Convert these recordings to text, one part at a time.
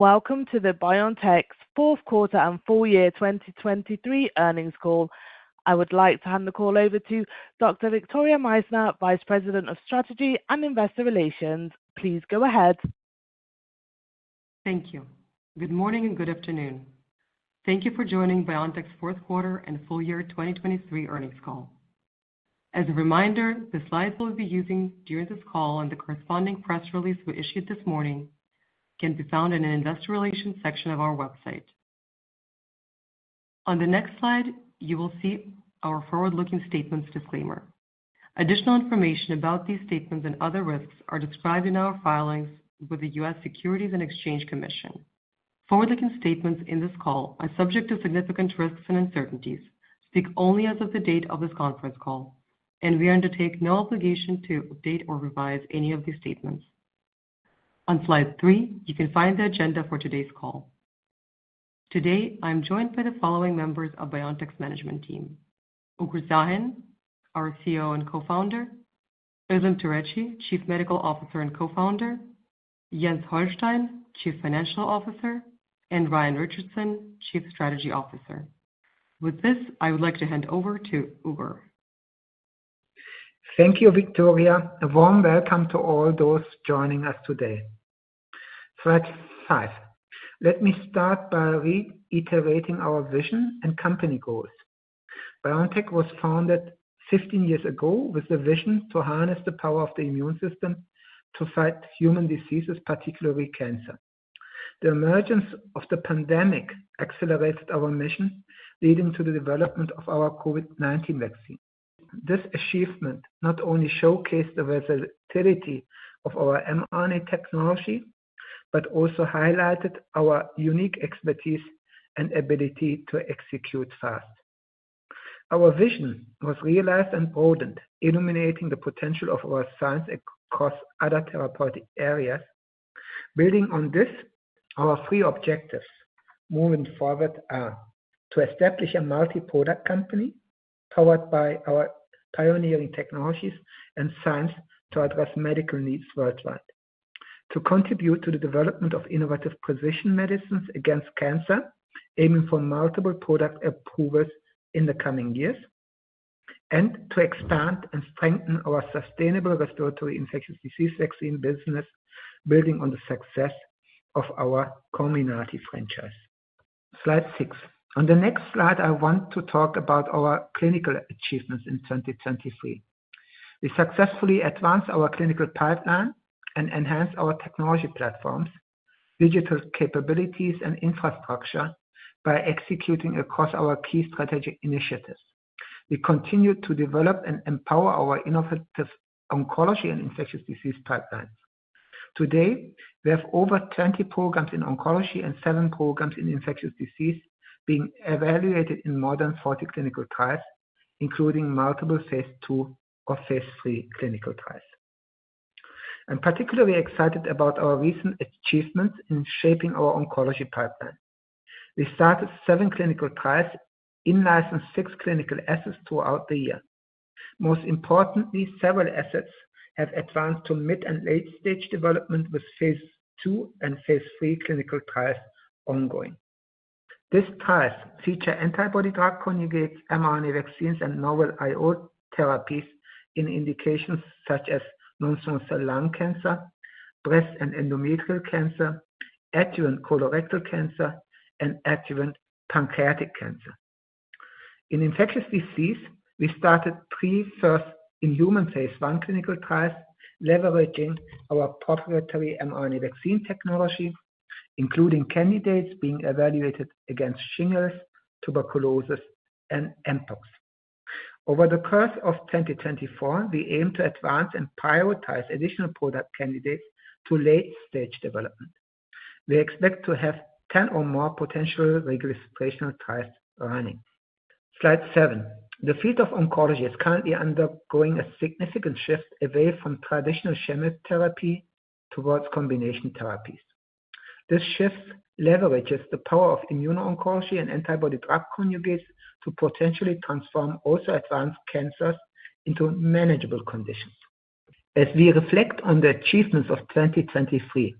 Welcome to BioNTech's fourth quarter and full year 2023 earnings call. I would like to hand the call over to Dr. Victoria Meissner, Vice President of Strategy and Investor Relations. Please go ahead. Thank you. Good morning, and good afternoon. Thank you for joining BioNTech's fourth quarter and full year 2023 earnings call. As a reminder, the slides we'll be using during this call and the corresponding press release we issued this morning, can be found in the Investor Relations section of our website. On the next slide, you will see our forward-looking statements disclaimer. Additional information about these statements and other risks are described in our filings with the U.S. Securities and Exchange Commission. Forward-looking statements in this call are subject to significant risks and uncertainties, speak only as of the date of this conference call, and we undertake no obligation to update or revise any of these statements. On slide three, you can find the agenda for today's call. Today, I'm joined by the following members of BioNTech's management team: Uğur Şahin, our CEO and Co-founder, Özlem Türeci, Chief Medical Officer and Co-founder, Jens Holstein, Chief Financial Officer, and Ryan Richardson, Chief Strategy Officer. With this, I would like to hand over to Uğur. Thank you, Victoria. A warm welcome to all those joining us today. Slide five. Let me start by reiterating our vision and company goals. BioNTech was founded 15 years ago with the vision to harness the power of the immune system to fight human diseases, particularly cancer. The emergence of the pandemic accelerated our mission, leading to the development of our COVID-19 vaccine. This achievement not only showcased the versatility of our mRNA technology, but also highlighted our unique expertise and ability to execute fast. Our vision was realized and broadened, illuminating the potential of our science across other therapeutic areas. Building on this, our three objectives moving forward are: to establish a multi-product company powered by our pioneering technologies and science to address medical needs worldwide. To contribute to the development of innovative precision medicines against cancer, aiming for multiple product approvals in the coming years, and to expand and strengthen our sustainable respiratory infectious disease vaccine business, building on the success of our Comirnaty franchise. Slide six. On the next slide, I want to talk about our clinical achievements in 2023. We successfully advanced our clinical pipeline and enhanced our technology platforms, digital capabilities and infrastructure by executing across our key strategic initiatives. We continued to develop and empower our innovative oncology and infectious disease pipelines. Today, we have over 20 programs in oncology and seven programs in infectious disease being evaluated in more than 40 clinical trials, including multiple phase II or phase III clinical trials. I'm particularly excited about our recent achievements in shaping our oncology pipeline. We started seven clinical trials and licensed 6 clinical assets throughout the year. Most importantly, several assets have advanced to mid- and late-stage development, with phase II and phase III clinical trials ongoing. These trials feature antibody-drug conjugates, mRNA vaccines, and novel IO therapies in indications such as non-small cell lung cancer, breast and endometrial cancer, adjuvant colorectal cancer, and adjuvant pancreatic cancer. In infectious disease, we started three first-in-human phase I clinical trials, leveraging our proprietary mRNA vaccine technology, including candidates being evaluated against shingles, tuberculosis, and mpox. Over the course of 2024, we aim to advance and prioritize additional product candidates to late-stage development. We expect to have 10 or more potential registrational trials running. Slide seven. The field of oncology is currently undergoing a significant shift away from traditional chemotherapy towards combination therapies. This shift leverages the power of immuno-oncology and antibody-drug conjugates to potentially transform also advanced cancers into manageable conditions. As we reflect on the achievements of 2023,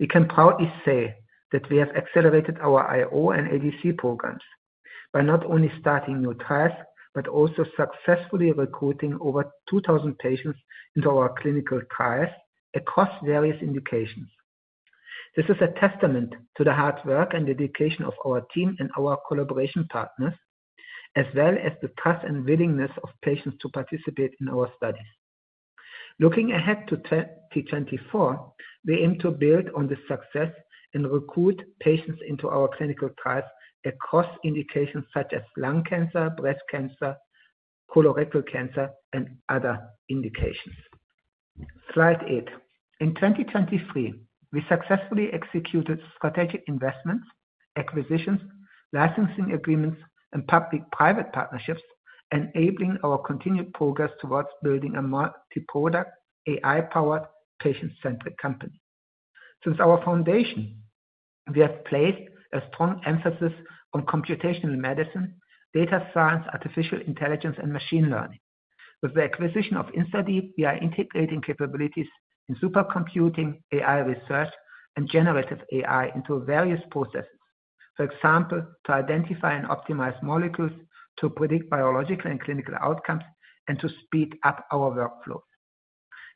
we can proudly say that we have accelerated our IO and ADC programs by not only starting new trials, but also successfully recruiting over 2,000 patients into our clinical trials across various indications. This is a testament to the hard work and dedication of our team and our collaboration partners, as well as the trust and willingness of patients to participate in our studies. Looking ahead to 2024, we aim to build on this success and recruit patients into our clinical trials across indications such as lung cancer, breast cancer, colorectal cancer, and other indications. Slide eight. In 2023, we successfully executed strategic investments, acquisitions, licensing agreements, and public-private partnerships, enabling our continued progress towards building a multi-product, AI-powered, patient-centric company. Since our foundation, we have placed a strong emphasis on computational medicine, data science, artificial intelligence, and machine learning. With the acquisition of InstaDeep, we are integrating capabilities in supercomputing, AI research, and generative AI into various processes. For example, to identify and optimize molecules, to predict biological and clinical outcomes, and to speed up our workflow.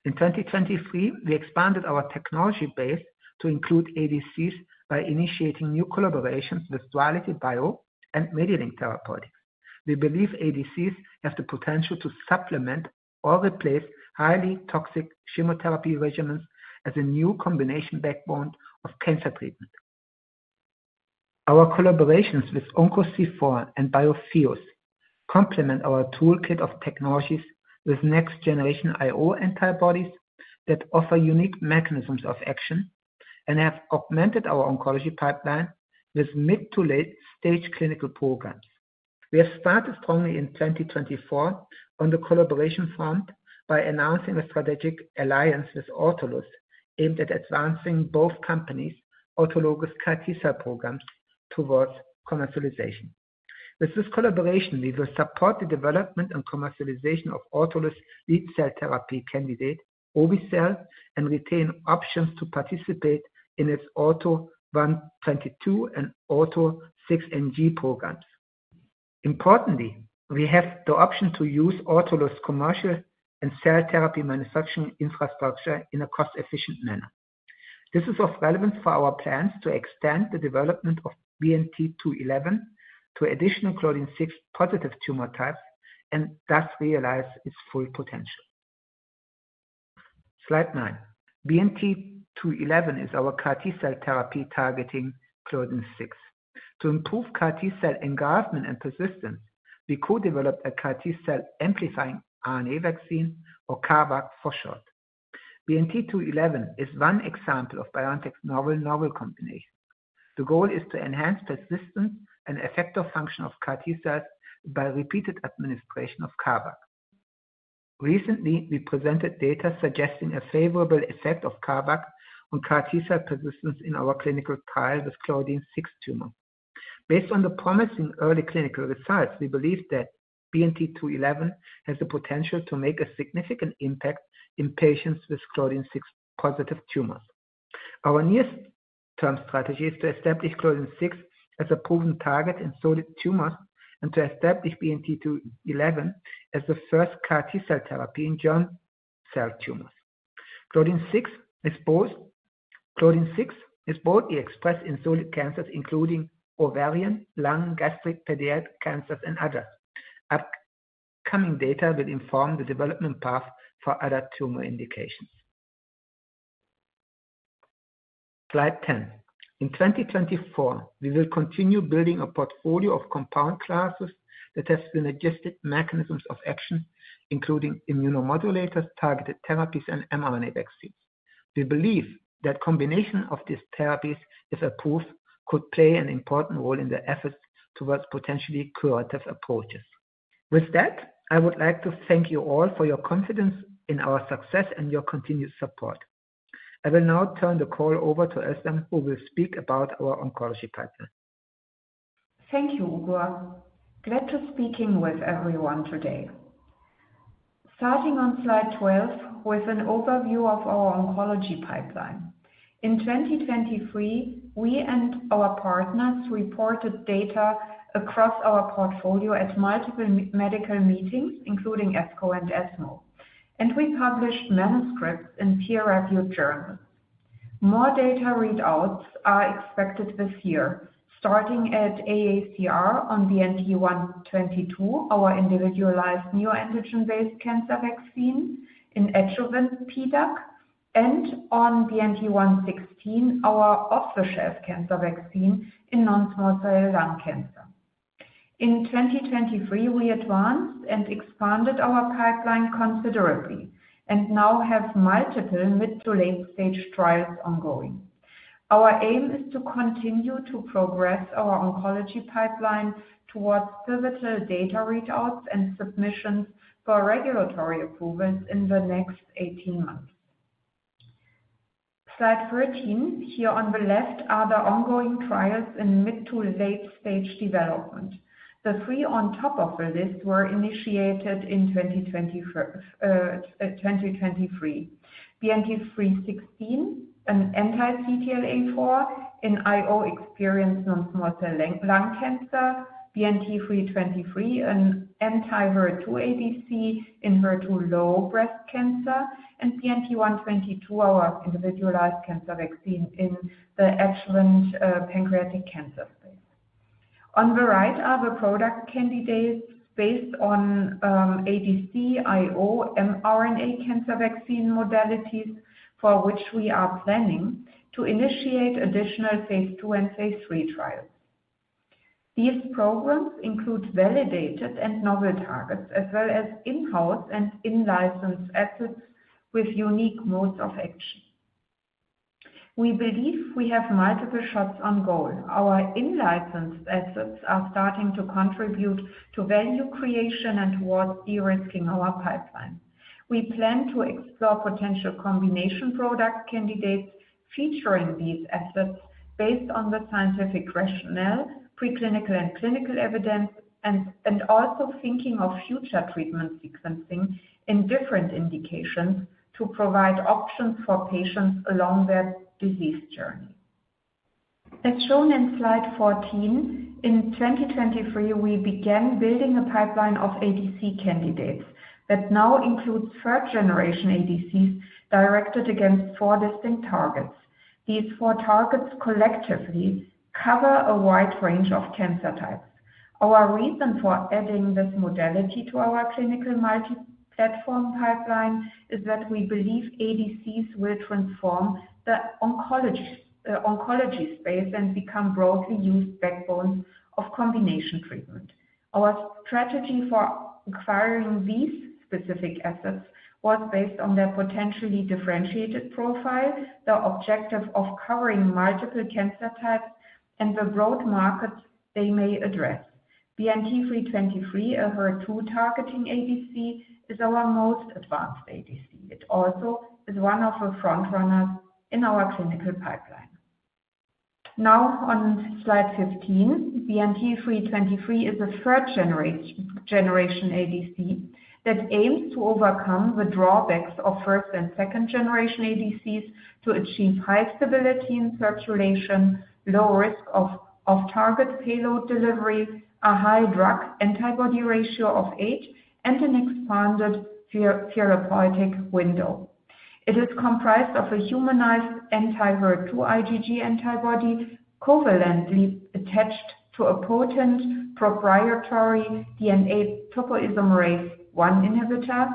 In 2023, we expanded our technology base to include ADCs by initiating new collaborations with DualityBio and MediLink Therapeutics. We believe ADCs have the potential to supplement or replace highly toxic chemotherapy regimens as a new combination backbone of cancer treatment. Our collaborations with OncoC4 and Biotheus complement our toolkit of technologies with next generation IO antibodies, that offer unique mechanisms of action, and have augmented our oncology pipeline with mid to late-stage clinical programs. We have started strongly in 2024 on the collaboration front by announcing a strategic alliance with Autolus, aimed at advancing both companies' autologous CAR-T-cell programs towards commercialization. With this collaboration, we will support the development and commercialization of Autolus' lead cell therapy candidate, obe-cel, and retain options to participate in its AUTO1/22 and AUTO6NG programs. Importantly, we have the option to use Autolus commercial and cell therapy manufacturing infrastructure in a cost-efficient manner. This is of relevance for our plans to extend the development of BNT211 to additional Claudin6 positive tumor types, and thus realize its full potential. Slide nine. BNT211 is our CAR-T-cell therapy targeting Claudin6. To improve CAR-T-cell engraftment and persistence, we co-developed a CAR-T-cell amplifying RNA vaccine, or CARvac for short. BNT211 is one example of BioNTech's novel, novel combination. The goal is to enhance persistence and effective function of CAR-T-cells by repeated administration of CARvac. Recently, we presented data suggesting a favorable effect of CARvac on CAR-T-cell persistence in our clinical trial with Claudin6 tumor. Based on the promising early clinical results, we believe that BNT211 has the potential to make a significant impact in patients with Claudin6 positive tumors. Our near-term strategy is to establish Claudin6 as a proven target in solid tumors, and to establish BNT211 as the first CAR-T-cell therapy in germ cell tumors. Claudin6 is broadly expressed in solid cancers including ovarian, lung, gastric, pediatric cancers, and others. Upcoming data will inform the development path for other tumor indications. Slide 10. In 2024, we will continue building a portfolio of compound classes that have synergistic mechanisms of action, including immunomodulators, targeted therapies, and mRNA vaccines. We believe that combination of these therapies, if approved, could play an important role in the efforts towards potentially curative approaches. With that, I would like to thank you all for your confidence in our success and your continued support. I will now turn the call over to Özlem Türeci, who will speak about our oncology pipeline. Thank you, Uğur. Glad to be speaking with everyone today. Starting on slide 12, with an overview of our oncology pipeline. In 2023, we and our partners reported data across our portfolio at multiple medical meetings, including ASCO and ESMO, and we published manuscripts in peer-reviewed journals. More data readouts are expected this year, starting at AACR on BNT122, our individualized neoantigen-based cancer vaccine in resected PDAC, and on BNT116, our off-the-shelf cancer vaccine in non-small cell lung cancer. In 2023, we advanced and expanded our pipeline considerably, and now have multiple mid- to late-stage trials ongoing. Our aim is to continue to progress our oncology pipeline towards pivotal data readouts and submissions for regulatory approvals in the next 18 months. Slide 13, here on the left are the ongoing trials in mid- to late-stage development. The three on top of the list were initiated in 2023. BNT316, an anti-CTLA-4 in IO-experienced non-small cell lung cancer, BNT323, an anti-HER2 ADC in HER2-low breast cancer, and BNT122, our individualized cancer vaccine in the adjuvant pancreatic cancer space. On the right are the product candidates based on ADC, IO, mRNA cancer vaccine modalities, for which we are planning to initiate additional phase II and phase III trials. These programs include validated and novel targets, as well as in-house and in-licensed assets with unique modes of action. We believe we have multiple shots on goal. Our in-licensed assets are starting to contribute to value creation and towards de-risking our pipeline. We plan to explore potential combination product candidates featuring these assets based on the scientific rationale, preclinical and clinical evidence, and also thinking of future treatment sequencing in different indications to provide options for patients along their disease journey. As shown in slide 14, in 2023, we began building a pipeline of ADC candidates that now includes third-generation ADCs directed against four distinct targets. These four targets collectively cover a wide range of cancer types. Our reason for adding this modality to our clinical multi-platform pipeline is that we believe ADCs will transform the oncology space and become broadly used backbones of combination treatment. Our strategy for acquiring these specific assets was based on their potentially differentiated profile, the objective of covering multiple cancer types, and the broad markets they may address. BNT323, a HER2-targeting ADC, is our most advanced ADC. It also is one of the front runners in our clinical pipeline. Now, on Slide 15, BNT323 is a third-generation ADC that aims to overcome the drawbacks of first- and second-generation ADCs to achieve high stability in circulation, low risk of target payload delivery, a high drug-antibody ratio of eight, and an expanded therapeutic window. It is comprised of a humanized anti-HER2 IgG antibody covalently attached to a potent proprietary DNA topoisomerase I inhibitor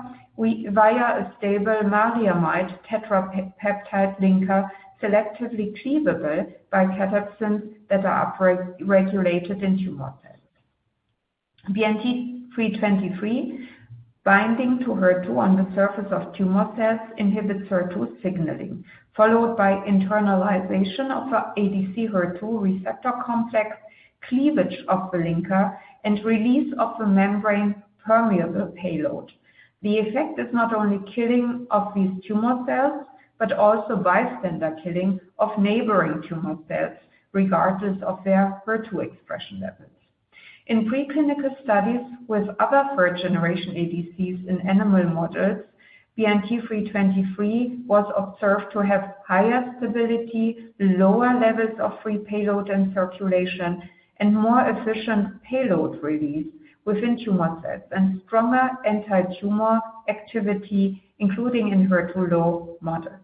via a stable maleimide tetrapeptide linker, selectively cleavable by cathepsins that are upregulated in tumor cells. BNT323, binding to HER2 on the surface of tumor cells, inhibits HER2 signaling, followed by internalization of the ADC-HER2 receptor complex, cleavage of the linker, and release of the membrane-permeable payload. The effect is not only killing of these tumor cells, but also bystander killing of neighboring tumor cells, regardless of their HER2 expression levels. In preclinical studies with other third-generation ADCs in animal models, BNT323 was observed to have higher stability, lower levels of free payload and circulation, and more efficient payload release within tumor cells, and stronger anti-tumor activity, including in HER2-low models.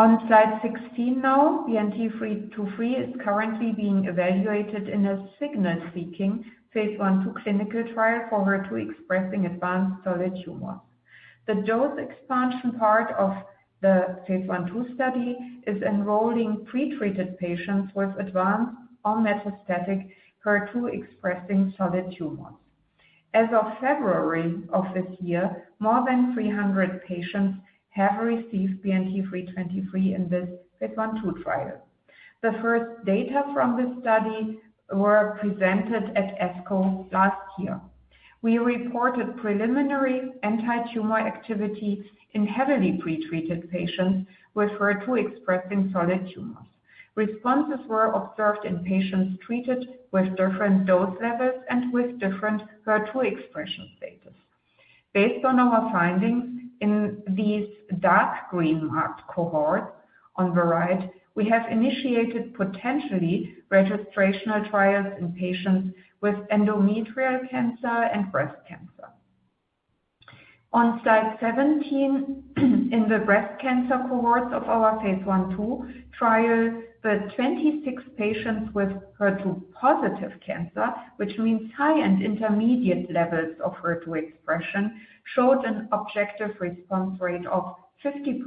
On Slide 16 now, BNT323 is currently being evaluated in a signal-seeking phase I/II clinical trial for HER2-expressing advanced solid tumors. The dose expansion part of the phase I/II study is enrolling pretreated patients with advanced or metastatic HER2-expressing solid tumors. As of February of this year, more than 300 patients have received BNT323 in this phase I/II trial. The first data from this study were presented at ASCO last year. We reported preliminary anti-tumor activity in heavily pretreated patients with HER2-expressing solid tumors. Responses were observed in patients treated with different dose levels and with different HER2 expression status. Based on our findings in these dark green-marked cohorts on the right, we have initiated potentially registrational trials in patients with endometrial cancer and breast cancer. On Slide 17, in the breast cancer cohorts of our phase I/II trial, the 26 patients with HER2-positive cancer, which means high and intermediate levels of HER2 expression, showed an objective response rate of 50%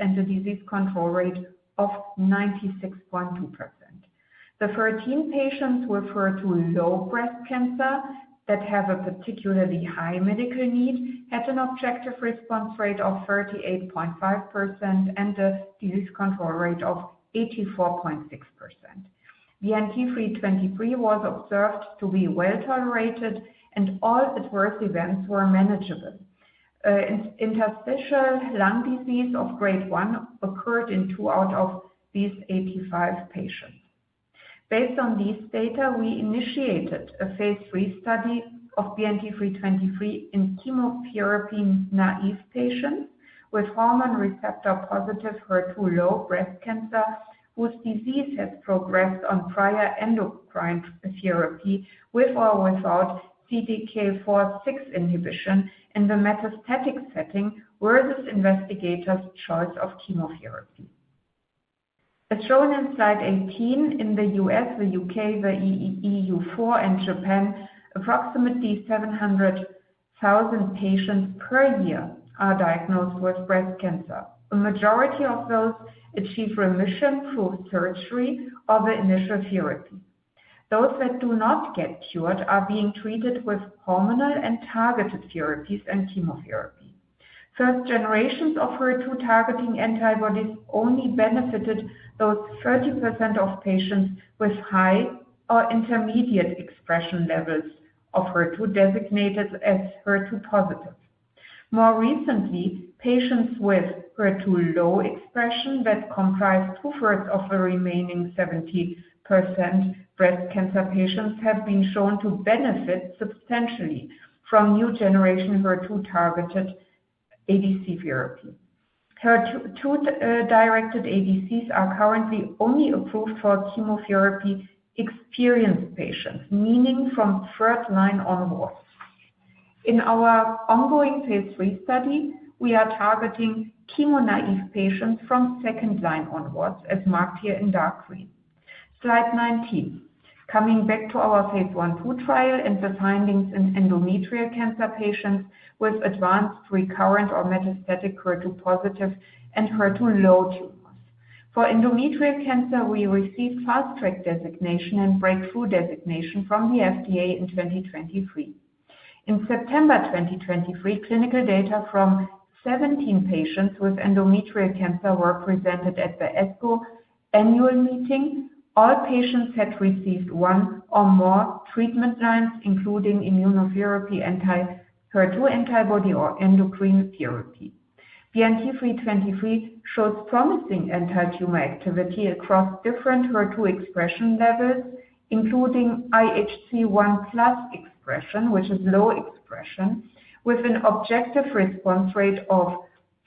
and a disease control rate of 96.2%. The 13 patients with HER2-low breast cancer, that have a particularly high medical need, had an objective response rate of 38.5% and a disease control rate of 84.6%. BNT323 was observed to be well-tolerated, and all adverse events were manageable. Interstitial lung disease of grade one occurred in two out of these 85 patients. Based on these data, we initiated a phase III study of BNT323 in chemotherapy-naïve patients with hormone receptor-positive, HER2-low breast cancer, whose disease has progressed on prior endocrine therapy, with or without CDK4/6 inhibition in the metastatic setting, versus investigators' choice of chemotherapy. As shown in Slide 18, in the U.S., the U.K., the EU4, and Japan, approximately 700,000 patients per year are diagnosed with breast cancer. The majority of those achieve remission through surgery or the initial therapy. Those that do not get cured are being treated with hormonal and targeted therapies and chemotherapy. First generations of HER2 targeting antibodies only benefited those 30% of patients with high or intermediate expression levels of HER2, designated as HER2 positive. More recently, patients with HER2-low expression, that comprise two-thirds of the remaining 70% breast cancer patients, have been shown to benefit substantially from new generation HER2-targeted ADC therapy. HER2-directed ADCs are currently only approved for chemotherapy-experienced patients, meaning from first line onwards. In our ongoing phase III study, we are targeting chemo-naive patients from second line onwards, as marked here in dark green. Slide 19. Coming back to our phase I/II trial and the findings in endometrial cancer patients with advanced, recurrent, or metastatic HER2-positive and HER2-low tumors. For endometrial cancer, we received Fast Track Designation and Breakthrough Designation from the FDA in 2023. In September 2023, clinical data from 17 patients with endometrial cancer were presented at the ASCO annual meeting. All patients had received one or more treatment lines, including immunotherapy, anti-HER2 antibody, or endocrine therapy. The BNT323 shows promising anti-tumor activity across different HER2 expression levels, including IHC 1+ expression, which is low expression, with an objective response rate of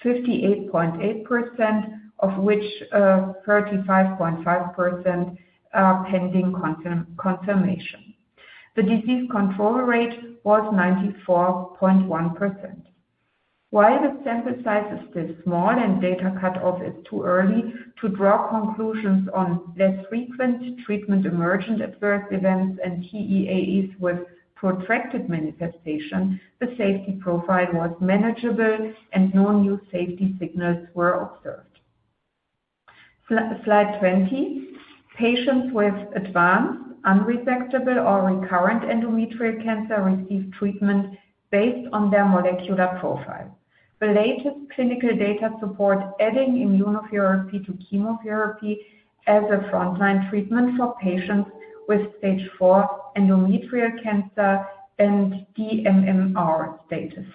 58.8%, of which 35.5% are pending confirmation. The disease control rate was 94.1%. While the sample size is still small and data cut-off is too early to draw conclusions on less frequent treatment, emergent adverse events, and TEAEs with protracted manifestation, the safety profile was manageable and no new safety signals were observed. Slide 20. Patients with advanced, unresectable, or recurrent endometrial cancer receive treatment based on their molecular profile. The latest clinical data support adding immunotherapy to chemotherapy as a frontline treatment for patients with stage four endometrial cancer and dMMR status.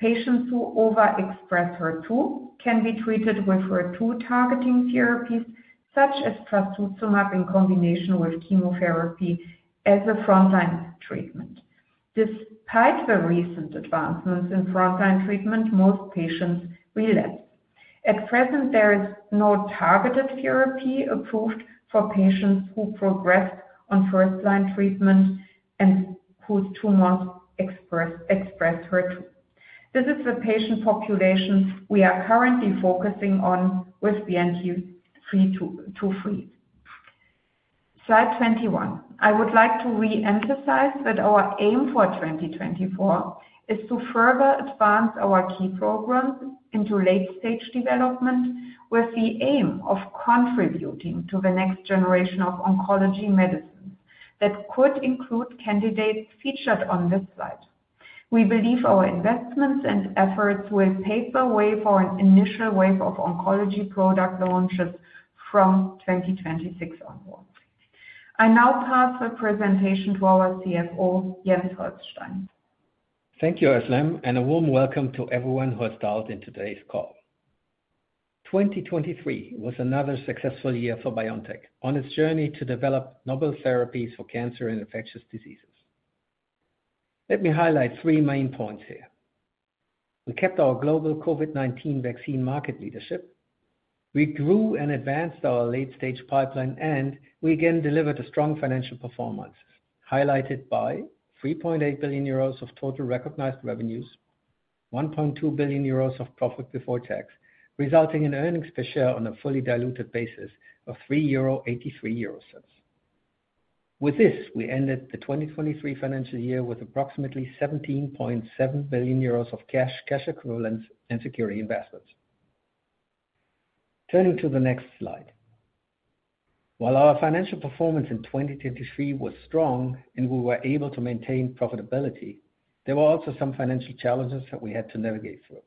Patients who overexpress HER2 can be treated with HER2-targeting therapies, such as trastuzumab, in combination with chemotherapy as a frontline treatment. Despite the recent advancements in frontline treatment, most patients relapse. At present, there is no targeted therapy approved for patients who progress on first-line treatment and whose tumor expresses HER2. This is the patient population we are currently focusing on with the BNT323. Slide 21. I would like to re-emphasize that our aim for 2024 is to further advance our key programs into late-stage development, with the aim of contributing to the next generation of oncology medicines that could include candidates featured on this slide. We believe our investments and efforts will pave the way for an initial wave of oncology product launches from 2026 onwards. I now pass the presentation to our CFO, Jens Holstein. Thank you, Özlem, and a warm welcome to everyone who has dialed in today's call. 2023 was another successful year for BioNTech on its journey to develop novel therapies for cancer and infectious diseases. Let me highlight three main points here. We kept our global COVID-19 vaccine market leadership. We grew and advanced our late-stage pipeline, and we again delivered a strong financial performance, highlighted by 3.8 billion euros of total recognized revenues, 1.2 billion euros of profit before tax, resulting in earnings per share on a fully diluted basis of 3.83 euro. With this, we ended the 2023 financial year with approximately 17.7 billion euros of cash, cash equivalents, and security investments. Turning to the next slide. While our financial performance in 2023 was strong and we were able to maintain profitability, there were also some financial challenges that we had to navigate through.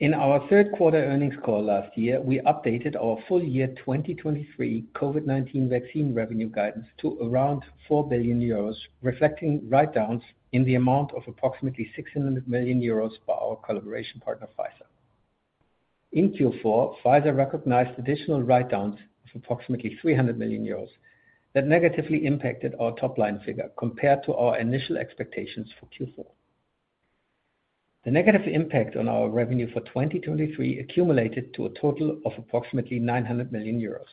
In our third quarter earnings call last year, we updated our full year 2023 COVID-19 vaccine revenue guidance to around 4 billion euros, reflecting write-downs in the amount of approximately 600 million euros by our collaboration partner, Pfizer. In Q4, Pfizer recognized additional write-downs of approximately 300 million euros that negatively impacted our top-line figure compared to our initial expectations for Q4. The negative impact on our revenue for 2023 accumulated to a total of approximately 900 million euros.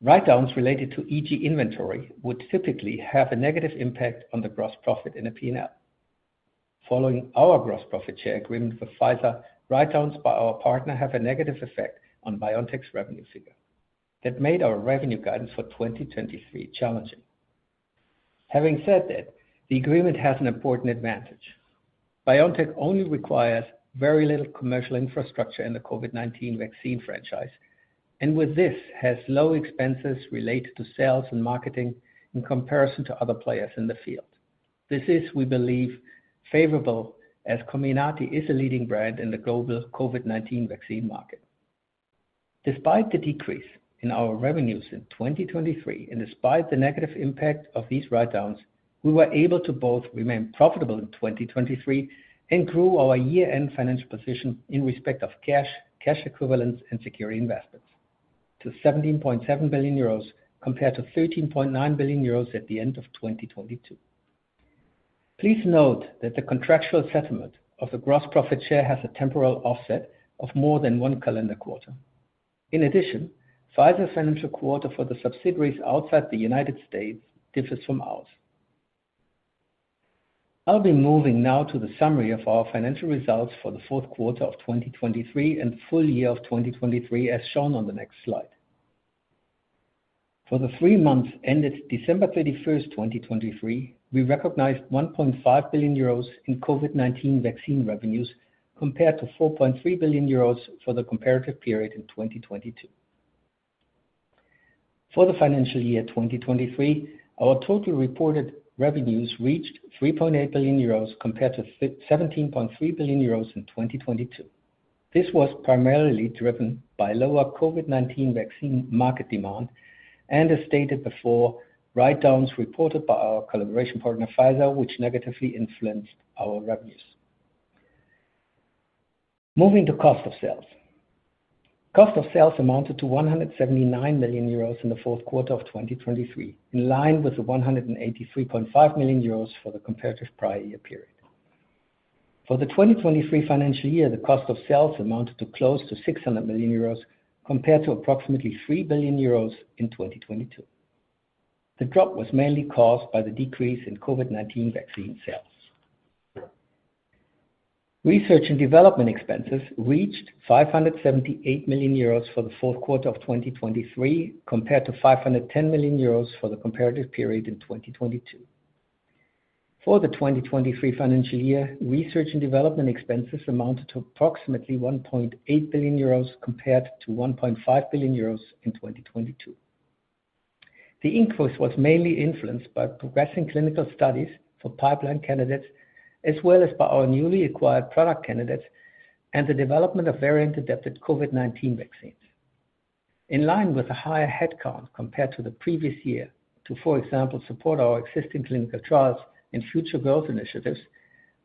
Write-downs related to aged inventory would typically have a negative impact on the gross profit in a P&L. Following our gross profit share agreement with Pfizer, write-downs by our partner have a negative effect on BioNTech's revenue figure. That made our revenue guidance for 2023 challenging. Having said that, the agreement has an important advantage. BioNTech only requires very little commercial infrastructure in the COVID-19 vaccine franchise, and with this, has low expenses related to sales and marketing in comparison to other players in the field. This is, we believe, favorable, as Comirnaty is a leading brand in the global COVID-19 vaccine market. Despite the decrease in our revenues in 2023, and despite the negative impact of these write-downs, we were able to both remain profitable in 2023 and grew our year-end financial position in respect of cash, cash equivalents, and security investments to 17.7 billion euros, compared to 13.9 billion euros at the end of 2022. Please note that the contractual settlement of the gross profit share has a temporal offset of more than one calendar quarter. In addition, Pfizer's financial quarter for the subsidiaries outside the United States differs from ours. I'll be moving now to the summary of our financial results for the fourth quarter of 2023 and full year of 2023, as shown on the next slide. For the three months ended December 31, 2023, we recognized 1.5 billion euros in COVID-19 vaccine revenues, compared to 4.3 billion euros for the comparative period in 2022. For the financial year 2023, our total reported revenues reached 3.8 billion euros, compared to seventeen point three billion euros in 2022. This was primarily driven by lower COVID-19 vaccine market demand, and as stated before, write-downs reported by our collaboration partner, Pfizer, which negatively influenced our revenues. Moving to cost of sales. Cost of sales amounted to 179 million euros in the fourth quarter of 2023, in line with the 183.5 million euros for the comparative prior year period. For the 2023 financial year, the cost of sales amounted to close to 600 million euros, compared to approximately 3 billion euros in 2022. The drop was mainly caused by the decrease in COVID-19 vaccine sales. Research and development expenses reached 578 million euros for the fourth quarter of 2023, compared to 510 million euros for the comparative period in 2022. For the 2023 financial year, research and development expenses amounted to approximately 1.8 billion euros, compared to 1.5 billion euros in 2022. The increase was mainly influenced by progressing clinical studies for pipeline candidates, as well as by our newly acquired product candidates and the development of variant-adapted COVID-19 vaccines. In line with a higher headcount compared to the previous year, too, for example, support our existing clinical trials and future growth initiatives,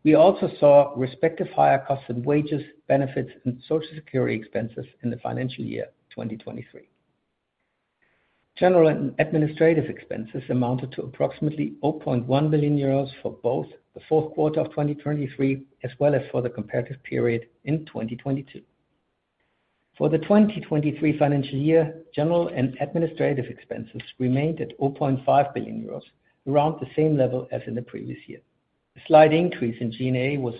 we also saw respective higher costs and wages, benefits, and social security expenses in the financial year 2023. General and administrative expenses amounted to approximately 0.1 billion euros for both the fourth quarter of 2023, as well as for the comparative period in 2022. For the 2023 financial year, general and administrative expenses remained at 0.5 billion euros, around the same level as in the previous year. A slight increase in G&A was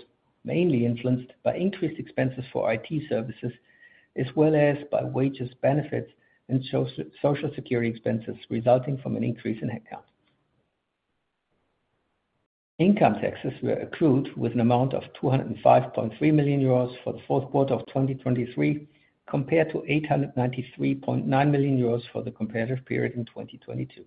mainly influenced by increased expenses for IT services, as well as by wages, benefits, and Social Security expenses, resulting from an increase in headcount. Income taxes were accrued with an amount of 205.3 million euros for the fourth quarter of 2023, compared to 893.9 million euros for the comparative period in 2022.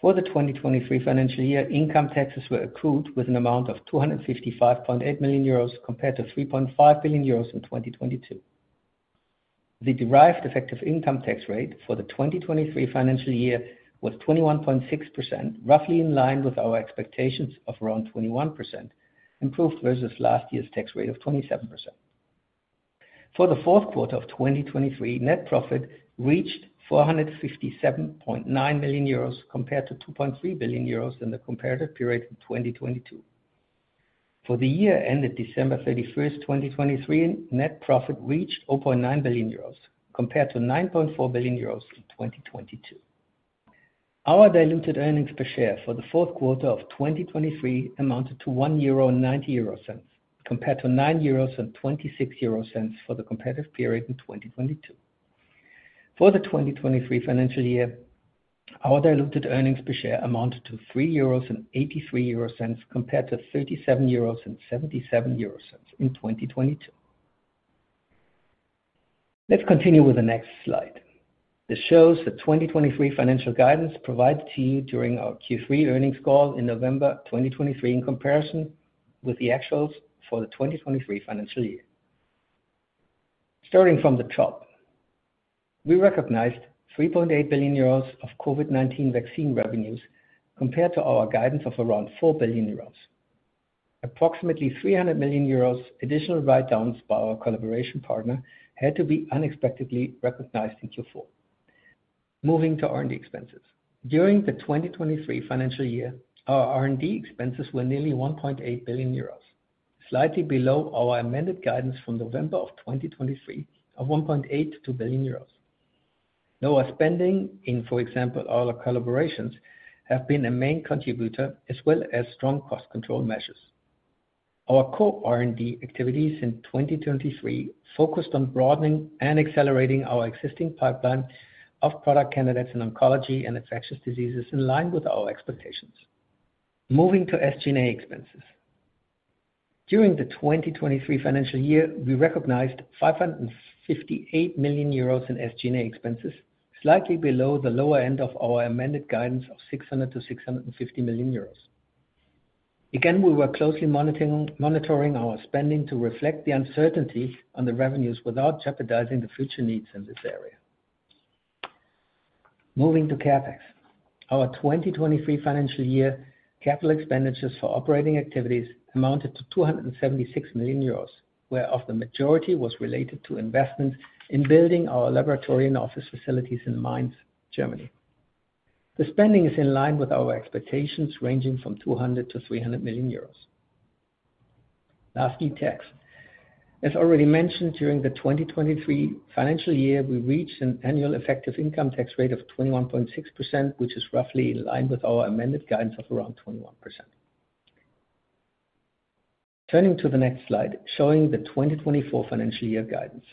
For the 2023 financial year, income taxes were accrued with an amount of 255.8 million euros, compared to 3.5 billion euros in 2022. The derived effective income tax rate for the 2023 financial year was 21.6%, roughly in line with our expectations of around 21%, improved versus last year's tax rate of 27%. For the fourth quarter of 2023, net profit reached 457.9 million euros, compared to 2.3 billion euros in the comparative period in 2022. For the year ended December 31, 2023, net profit reached 0.9 billion euros, compared to 9.4 billion euros in 2022. Our diluted earnings per share for the fourth quarter of 2023 amounted to 1.90 euro, compared to 9.26 euros for the comparative period in 2022. For the 2023 financial year, our diluted earnings per share amounted to 3.83 euros, compared to 37.77 euros in 2022. Let's continue with the next slide. This shows the 2023 financial guidance provided to you during our Q3 earnings call in November 2023, in comparison with the actuals for the 2023 financial year. Starting from the top, we recognized 3.8 billion euros of COVID-19 vaccine revenues, compared to our guidance of around 4 billion euros. Approximately 300 million euros additional write-downs by our collaboration partner had to be unexpectedly recognized in Q4. Moving to R&D expenses. During the 2023 financial year, our R&D expenses were nearly 1.8 billion euros, slightly below our amended guidance from November of 2023 of 1.8 billion-2 billion euros. Lower spending in, for example, other collaborations, have been a main contributor, as well as strong cost control measures. Our co-R&D activities in 2023 focused on broadening and accelerating our existing pipeline of product candidates in oncology and infectious diseases, in line with our expectations. Moving to SG&A expenses. During the 2023 financial year, we recognized 558 million euros in SG&A expenses, slightly below the lower end of our amended guidance of 600 million-650 million euros. Again, we were closely monitoring our spending to reflect the uncertainty on the revenues without jeopardizing the future needs in this area. Moving to CapEx. Our 2023 financial year capital expenditures for operating activities amounted to 276 million euros, whereof the majority was related to investment in building our laboratory and office facilities in Mainz, Germany. The spending is in line with our expectations, ranging from 200 million-300 million euros. Lastly, tax. As already mentioned, during the 2023 financial year, we reached an annual effective income tax rate of 21.6%, which is roughly in line with our amended guidance of around 21%. Turning to the next slide, showing the 2024 financial year guidance.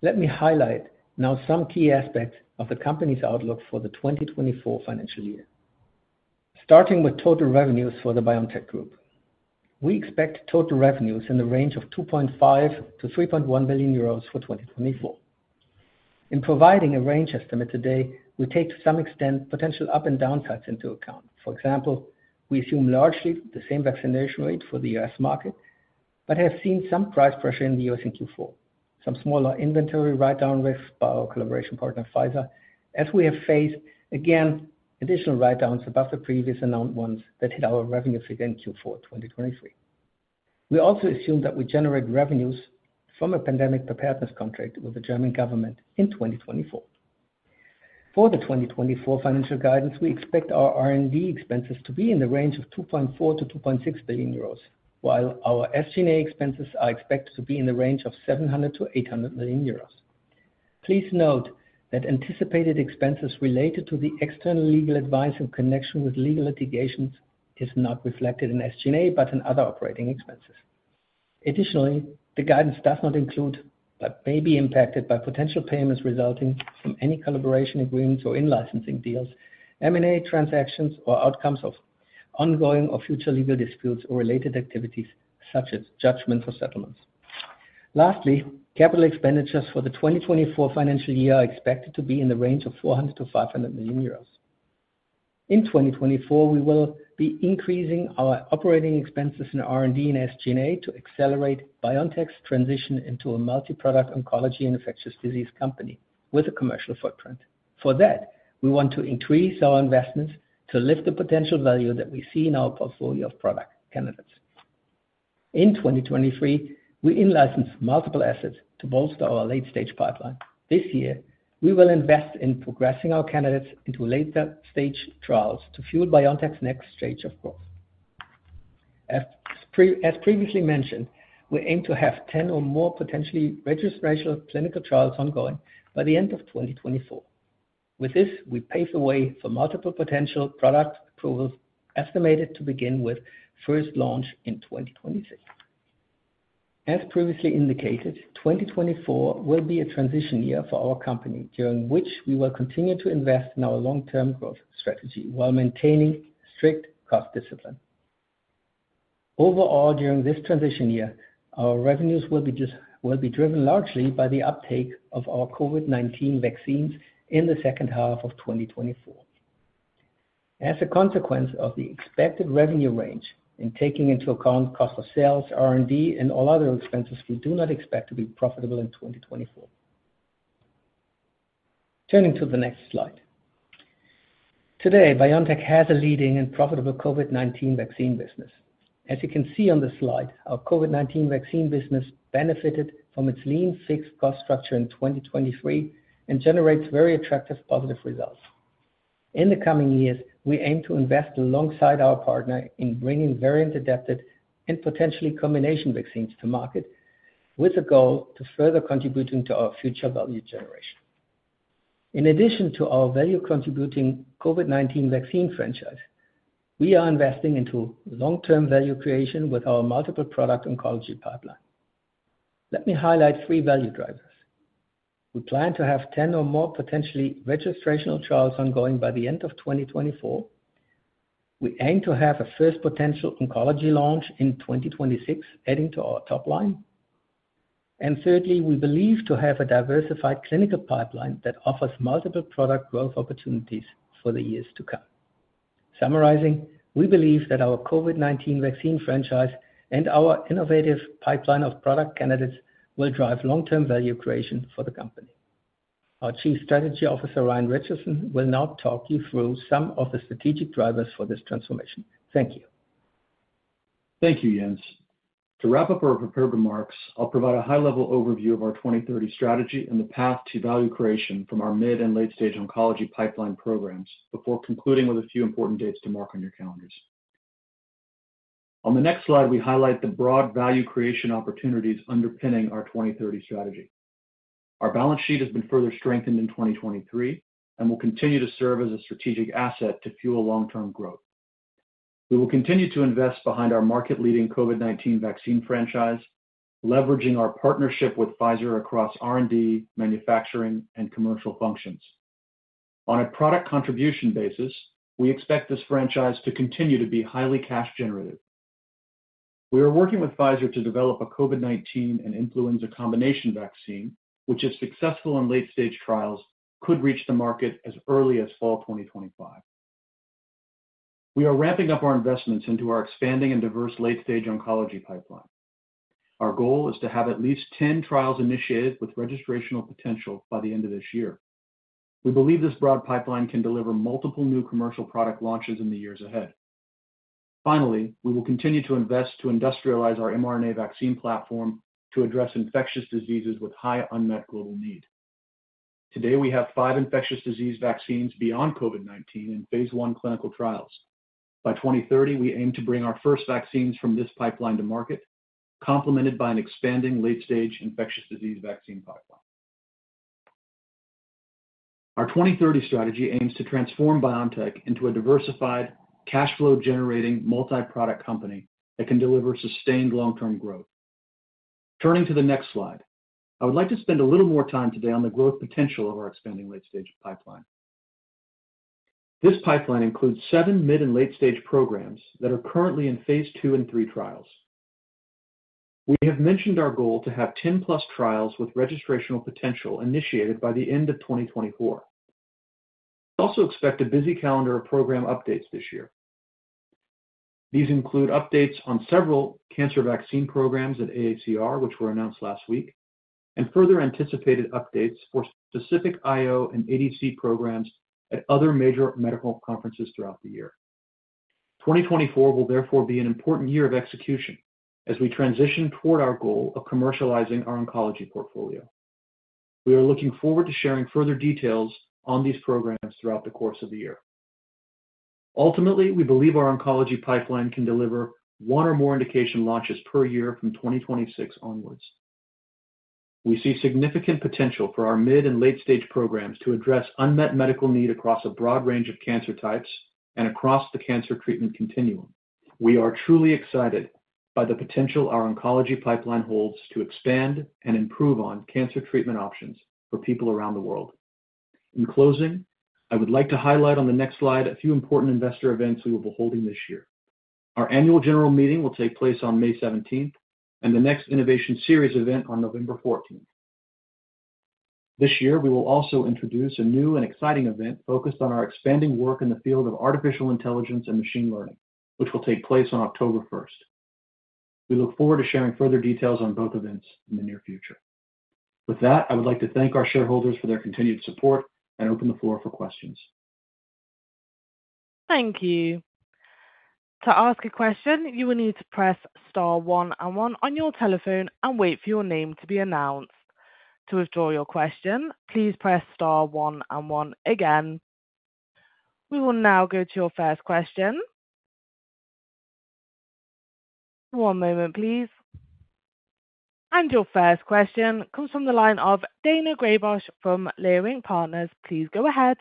Let me highlight now some key aspects of the company's outlook for the 2024 financial year. Starting with total revenues for the BioNTech group, we expect total revenues in the range of 2.5 billion-3.1 billion euros for 2024. In providing a range estimate today, we take, to some extent, potential up and down sides into account. For example, we assume largely the same vaccination rate for the US market, but have seen some price pressure in the US in Q4, some smaller inventory write-down with by our collaboration partner, Pfizer, as we have faced, again, additional write-downs above the previous announced ones that hit our revenue figure in Q4 2023. We also assume that we generate revenues from a pandemic preparedness contract with the German government in 2024. For the 2024 financial guidance, we expect our R&D expenses to be in the range of 2.4 billion-2.6 billion euros, while our SG&A expenses are expected to be in the range of 700 million-800 million euros. Please note that anticipated expenses related to the external legal advice in connection with legal litigations is not reflected in SG&A, but in other operating expenses. Additionally, the guidance does not include, but may be impacted by potential payments resulting from any collaboration agreements or in-licensing deals, M&A transactions or outcomes of ongoing or future legal disputes or related activities such as judgment for settlements. Lastly, capital expenditures for the 2024 financial year are expected to be in the range of 400 million-500 million euros. In 2024, we will be increasing our operating expenses in R&D and SG&A to accelerate BioNTech's transition into a multi-product oncology and infectious disease company with a commercial footprint. For that, we want to increase our investments to lift the potential value that we see in our portfolio of product candidates. In 2023, we in-licensed multiple assets to bolster our late-stage pipeline. This year, we will invest in progressing our candidates into later-stage trials to fuel BioNTech's next stage of growth. As previously mentioned, we aim to have 10 or more potentially registrational clinical trials ongoing by the end of 2024. With this, we pave the way for multiple potential product approvals, estimated to begin with first launch in 2026. As previously indicated, 2024 will be a transition year for our company, during which we will continue to invest in our long-term growth strategy while maintaining strict cost discipline. Overall, during this transition year, our revenues will be driven largely by the uptake of our COVID-19 vaccines in the second half of 2024. As a consequence of the expected revenue range, in taking into account cost of sales, R&D, and all other expenses, we do not expect to be profitable in 2024. Turning to the next slide. Today, BioNTech has a leading and profitable COVID-19 vaccine business. As you can see on the slide, our COVID-19 vaccine business benefited from its lean, fixed cost structure in 2023 and generates very attractive positive results. In the coming years, we aim to invest alongside our partner in bringing variant-adapted and potentially combination vaccines to market, with a goal to further contributing to our future value generation. In addition to our value-contributing COVID-19 vaccine franchise, we are investing into long-term value creation with our multiple product oncology pipeline. Let me highlight three value drivers. We plan to have 10 or more potentially registrational trials ongoing by the end of 2024. We aim to have a first potential oncology launch in 2026, adding to our top line. And thirdly, we believe to have a diversified clinical pipeline that offers multiple product growth opportunities for the years to come. Summarizing, we believe that our COVID-19 vaccine franchise and our innovative pipeline of product candidates will drive long-term value creation for the company. Our Chief Strategy Officer, Ryan Richardson, will now talk you through some of the strategic drivers for this transformation. Thank you. Thank you, Jens. To wrap up our prepared remarks, I'll provide a high-level overview of our 2030 strategy and the path to value creation from our mid- and late-stage oncology pipeline programs before concluding with a few important dates to mark on your calendars. On the next slide, we highlight the broad value creation opportunities underpinning our 2030 strategy. Our balance sheet has been further strengthened in 2023 and will continue to serve as a strategic asset to fuel long-term growth. We will continue to invest behind our market-leading COVID-19 vaccine franchise, leveraging our partnership with Pfizer across R&D, manufacturing, and commercial functions.... On a product contribution basis, we expect this franchise to continue to be highly cash generative. We are working with Pfizer to develop a COVID-19 and influenza combination vaccine, which is successful in late-stage trials, could reach the market as early as fall 2025. We are ramping up our investments into our expanding and diverse late-stage oncology pipeline. Our goal is to have at least 10 trials initiated with registrational potential by the end of this year. We believe this broad pipeline can deliver multiple new commercial product launches in the years ahead. Finally, we will continue to invest to industrialize our mRNA vaccine platform to address infectious diseases with high unmet global need. Today, we have five infectious disease vaccines beyond COVID-19 in phase I clinical trials. By 2030, we aim to bring our first vaccines from this pipeline to market, complemented by an expanding late-stage infectious disease vaccine pipeline. Our 2030 strategy aims to transform BioNTech into a diversified, cash flow generating, multi-product company that can deliver sustained long-term growth. Turning to the next slide, I would like to spend a little more time today on the growth potential of our expanding late-stage pipeline. This pipeline includes seven mid and late-stage programs that are currently in phase II and phase III trials. We have mentioned our goal to have 10+ trials with registrational potential initiated by the end of 2024. We also expect a busy calendar of program updates this year. These include updates on several cancer vaccine programs at AACR, which were announced last week, and further anticipated updates for specific IO and ADC programs at other major medical conferences throughout the year. 2024 will therefore be an important year of execution as we transition toward our goal of commercializing our oncology portfolio. We are looking forward to sharing further details on these programs throughout the course of the year. Ultimately, we believe our oncology pipeline can deliver one or more indication launches per year from 2026 onwards. We see significant potential for our mid and late-stage programs to address unmet medical need across a broad range of cancer types and across the cancer treatment continuum. We are truly excited by the potential our oncology pipeline holds to expand and improve on cancer treatment options for people around the world. In closing, I would like to highlight on the next slide a few important investor events we will be holding this year. Our annual general meeting will take place on May seventeenth, and the next innovation series event on November fourteenth. This year, we will also introduce a new and exciting event focused on our expanding work in the field of artificial intelligence and machine learning, which will take place on October first. We look forward to sharing further details on both events in the near future. With that, I would like to thank our shareholders for their continued support and open the floor for questions. Thank you. To ask a question, you will need to press star one and one on your telephone and wait for your name to be announced. To withdraw your question, please press star one and one again. We will now go to your first question. One moment, please. Your first question comes from the line of Daina Graybosch from Leerink Partners. Please go ahead.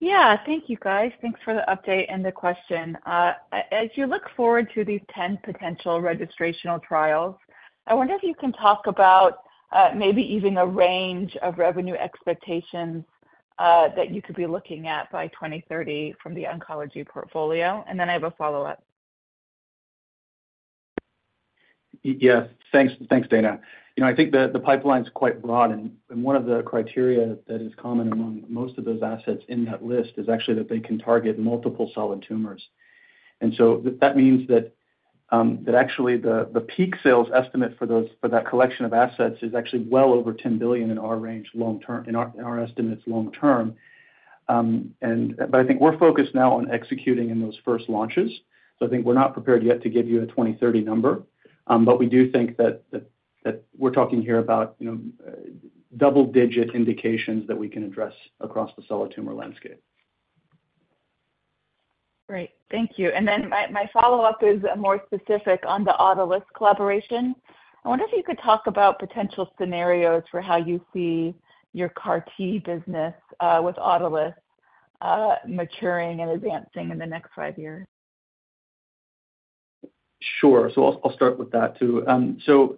Yeah, thank you, guys. Thanks for the update and the question. As you look forward to these 10 potential registrational trials, I wonder if you can talk about, maybe even a range of revenue expectations, that you could be looking at by 2030 from the oncology portfolio, and then I have a follow-up. Yes, thanks. Thanks, Daina. You know, I think the pipeline's quite broad, and one of the criteria that is common among most of those assets in that list is actually that they can target multiple solid tumors. And so that means that actually the peak sales estimate for that collection of assets is actually well over 10 billion in our range long term, in our estimates long term. And but I think we're focused now on executing in those first launches, so I think we're not prepared yet to give you a 2030 number. But we do think that we're talking here about, you know, double-digit indications that we can address across the solid tumor landscape. Great, thank you. And then my follow-up is more specific on the Autolus collaboration. I wonder if you could talk about potential scenarios for how you see your CAR-T business with Autolus maturing and advancing in the next five years. Sure, so I'll start with that, too. So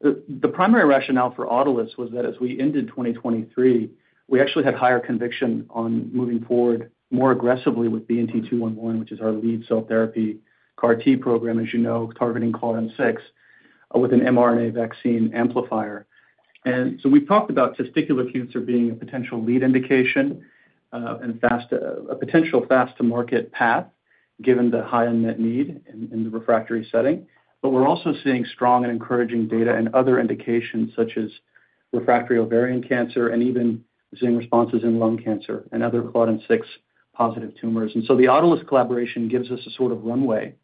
the primary rationale for Autolus was that as we ended 2023, we actually had higher conviction on moving forward more aggressively with BNT211, which is our lead cell therapy CAR-T program, as you know, targeting Claudin6 with an mRNA vaccine amplifier. And so we've talked about testicular cancer being a potential lead indication and a potential fast-to-market path, given the high unmet need in the refractory setting. But we're also seeing strong and encouraging data in other indications, such as refractory ovarian cancer and even seeing responses in lung cancer and other Claudin6 positive tumors. So the Autolus collaboration gives us a sort of runway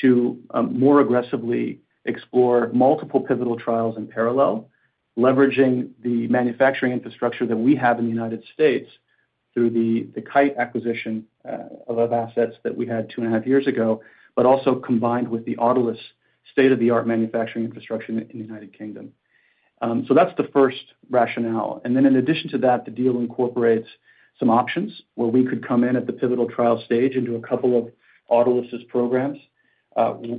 to more aggressively explore multiple pivotal trials in parallel, leveraging the manufacturing infrastructure that we have in the United States through the Kite acquisition of assets that we had 2.5 years ago, but also combined with the Autolus state-of-the-art manufacturing infrastructure in the United Kingdom. So that's the first rationale. And then in addition to that, the deal incorporates some options, where we could come in at the pivotal trial stage into a couple of Autolus' programs.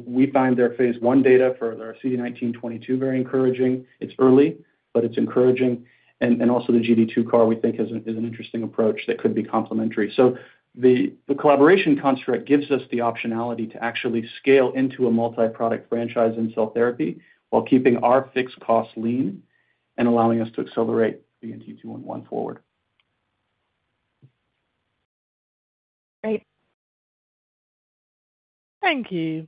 We find their phase I data for their AUTO1/22 very encouraging. It's early, but it's encouraging, and also the GD2 CAR, we think is an interesting approach that could be complementary. So the collaboration construct gives us the optionality to actually scale into a multi-product franchise in cell therapy, while keeping our fixed costs lean and allowing us to accelerate BNT211 forward. Great. Thank you.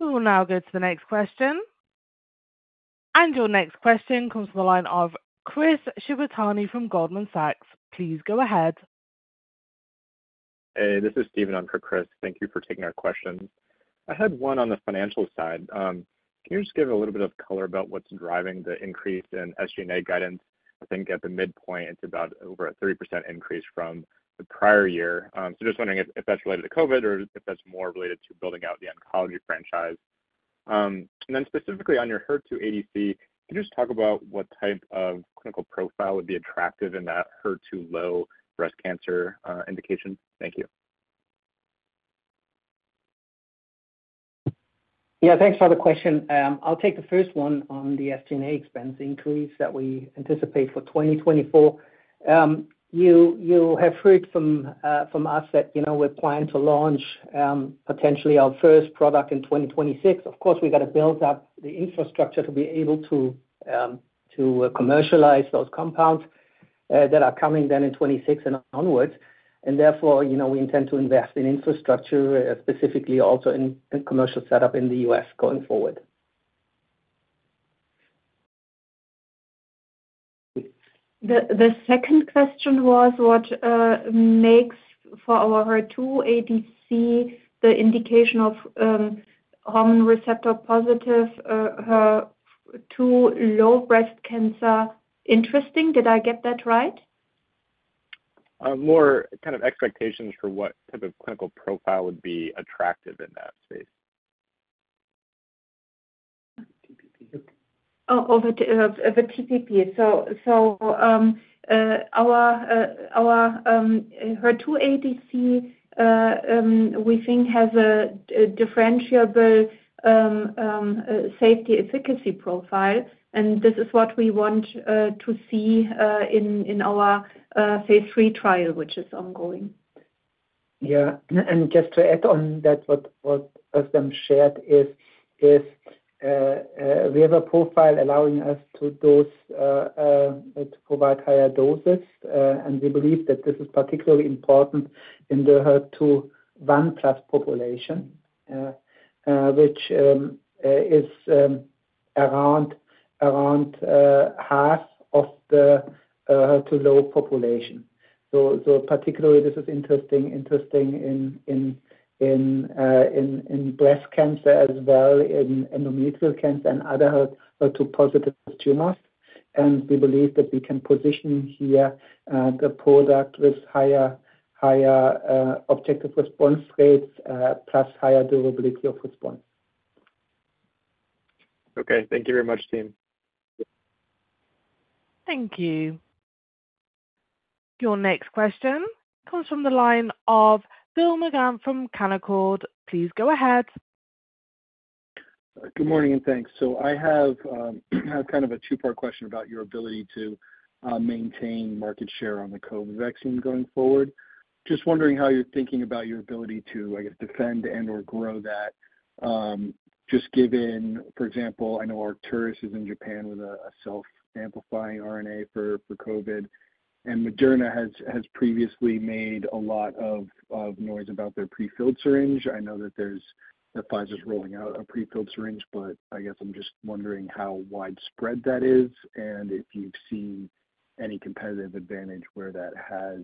We will now go to the next question. Your next question comes from the line of Chris Shibutani from Goldman Sachs. Please go ahead. Hey, this is Steven on for Chris. Thank you for taking our question. I had one on the financial side. Can you just give a little bit of color about what's driving the increase in SG&A guidance? I think at the midpoint, it's about over 30% increase from the prior year. So just wondering if, if that's related to COVID or if that's more related to building out the oncology franchise. And then specifically on your HER2 ADC, can you just talk about what type of clinical profile would be attractive in that HER2-low breast cancer indication? Thank you. Yeah, thanks for the question. I'll take the first one on the SG&A expense increase that we anticipate for 2024. You, you have heard from, from us that, you know, we're planning to launch, potentially our first product in 2026. Of course, we've got to build up the infrastructure to be able to, to commercialize those compounds, that are coming then in 2026 and onwards, and therefore, you know, we intend to invest in infrastructure, specifically also in, in commercial setup in the U.S. going forward. The second question was what makes for our HER2 ADC the indication of hormone receptor positive HER2-low breast cancer interesting. Did I get that right? More kind of expectations for what type of clinical profile would be attractive in that space? The TPP. So, our HER2 ADC, we think has a differentiable safety efficacy profile, and this is what we want to see in our phase III trial, which is ongoing. Yeah, and just to add on that, what Özlem shared is, we have a profile allowing us to dose, to provide higher doses, and we believe that this is particularly important in the HER2 1+ population, which is around half of the HER2 low population. So particularly, this is interesting in breast cancer as well, in endometrial cancer and other HER2 positive tumors. And we believe that we can position here the product with higher objective response rates, plus higher durability of response. Okay. Thank you very much, team. Thank you. Your next question comes from the line of Bill Mangan from Canaccord Genuity. Please go ahead. Good morning, and thanks. So I have kind of a two-part question about your ability to maintain market share on the COVID vaccine going forward. Just wondering how you're thinking about your ability to, I guess, defend and/or grow that. Just given, for example, I know Arcturus is in Japan with a self-amplifying RNA for COVID, and Moderna has previously made a lot of noise about their prefilled syringe. I know that Pfizer's rolling out a prefilled syringe, but I guess I'm just wondering how widespread that is and if you've seen any competitive advantage where that has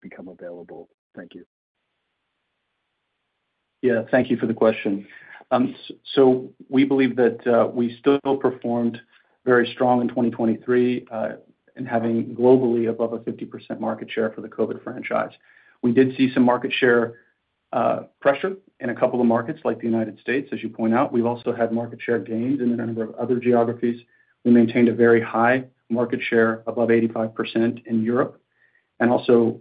become available. Thank you. Yeah, thank you for the question. So we believe that we still performed very strong in 2023 in having globally above a 50% market share for the COVID franchise. We did see some market share pressure in a couple of markets, like the United States, as you point out. We've also had market share gains in a number of other geographies. We maintained a very high market share, above 85%, in Europe, and also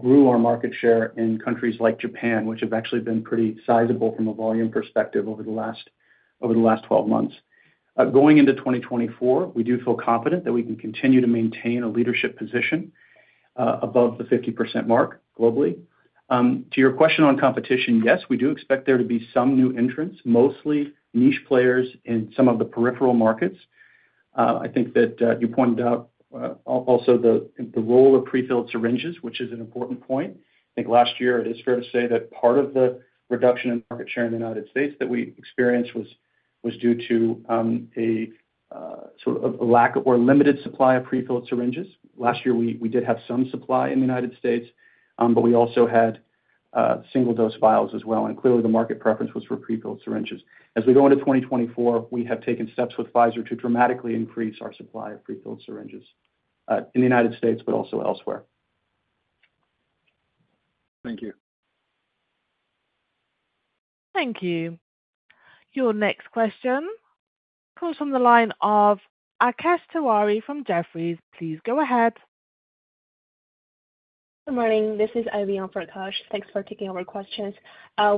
grew our market share in countries like Japan, which have actually been pretty sizable from a volume perspective over the last 12 months. Going into 2024, we do feel confident that we can continue to maintain a leadership position above the 50% mark globally. To your question on competition, yes, we do expect there to be some new entrants, mostly niche players in some of the peripheral markets. I think that you pointed out also the role of prefilled syringes, which is an important point. I think last year, it is fair to say that part of the reduction in market share in the United States that we experienced was due to a sort of a lack or limited supply of prefilled syringes. Last year, we did have some supply in the United States, but we also had single-dose vials as well, and clearly the market preference was for prefilled syringes. As we go into 2024, we have taken steps with Pfizer to dramatically increase our supply of prefilled syringes in the United States, but also elsewhere. Thank you. Thank you. Your next question comes from the line of Akash Tewari from Jefferies. Please go ahead.... Good morning, this is Ivy on for Akash. Thanks for taking our questions.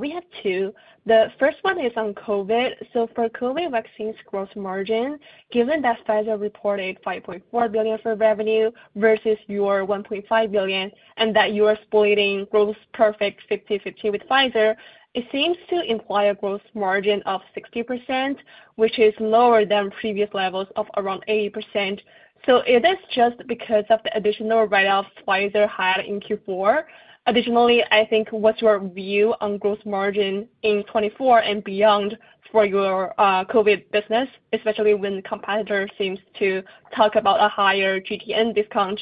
We have two. The first one is on COVID. So for COVID vaccines gross margin, given that Pfizer reported 5.4 billion for revenue versus your 1.5 billion, and that you are splitting gross profit 50/50 with Pfizer, it seems to imply a gross margin of 60%, which is lower than previous levels of around 80%. So is this just because of the additional write-off Pfizer had in Q4? Additionally, I think, what's your view on gross margin in '2024 and beyond for your COVID business, especially when the competitor seems to talk about a higher GTN discount?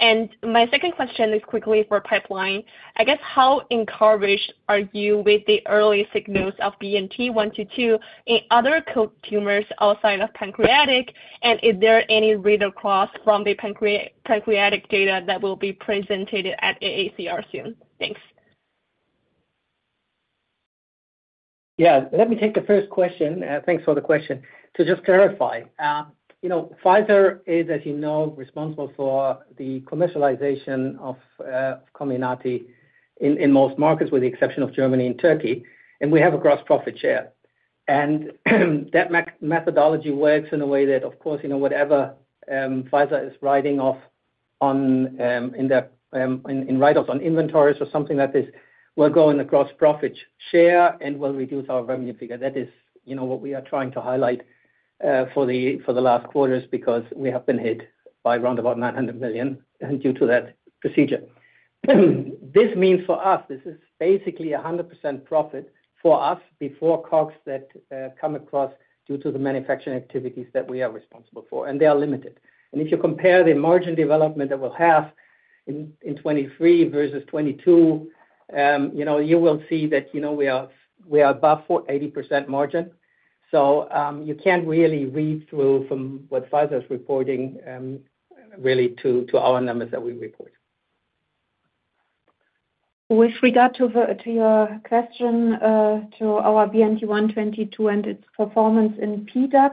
And my second question is quickly for pipeline. I guess, how encouraged are you with the early signals of BNT122 in other tumors outside of pancreatic? Is there any read across from the pancreatic data that will be presented at AACR soon? Thanks. Yeah, let me take the first question, thanks for the question. To just clarify, you know, Pfizer is, as you know, responsible for the commercialization of, Comirnaty in most markets, with the exception of Germany and Turkey, and we have a gross profit share. That methodology works in a way that, of course, you know, whatever, Pfizer is writing off on, in the, in write-offs on inventories or something like this, will go in the gross profit share and will reduce our revenue figure. That is, you know, what we are trying to highlight, for the last quarters, because we have been hit by around 900 million, and due to that procedure. This means for us, this is basically 100% profit for us before costs that come across due to the manufacturing activities that we are responsible for, and they are limited. And if you compare the margin development that we'll have in 2023 versus 2022, you know, you will see that, you know, we are above 480% margin. So, you can't really read through from what Pfizer's reporting really to our numbers that we report. With regard to your question to our BNT122 and its performance in PDAC,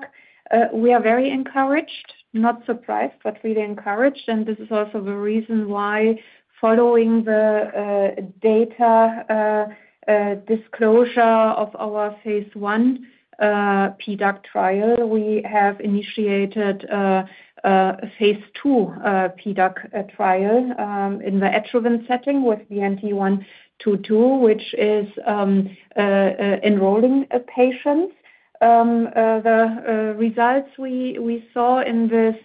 we are very encouraged, not surprised, but really encouraged. This is also the reason why following the data disclosure of our phase I PDAC trial, we have initiated a phase II PDAC trial in the adjuvant setting with BNT122, which is enrolling a patient. The results we saw in this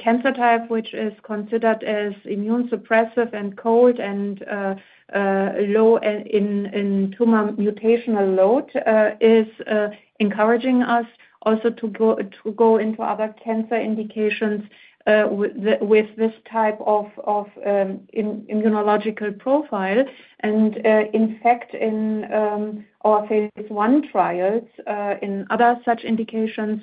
cancer type, which is considered as immune suppressive and cold and low in tumor mutational load, is encouraging us also to go into other cancer indications with this type of immunological profile. In fact, in our phase I trials in other such indications,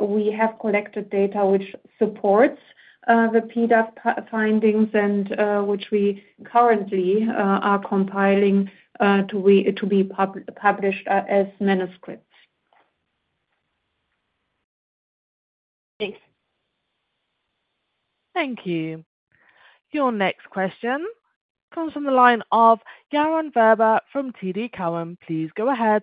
we have collected data which supports the PDAC findings and which we currently are compiling to be published as manuscripts. Thanks. Thank you. Your next question comes from the line of Yaron Werber from TD Cowen. Please go ahead.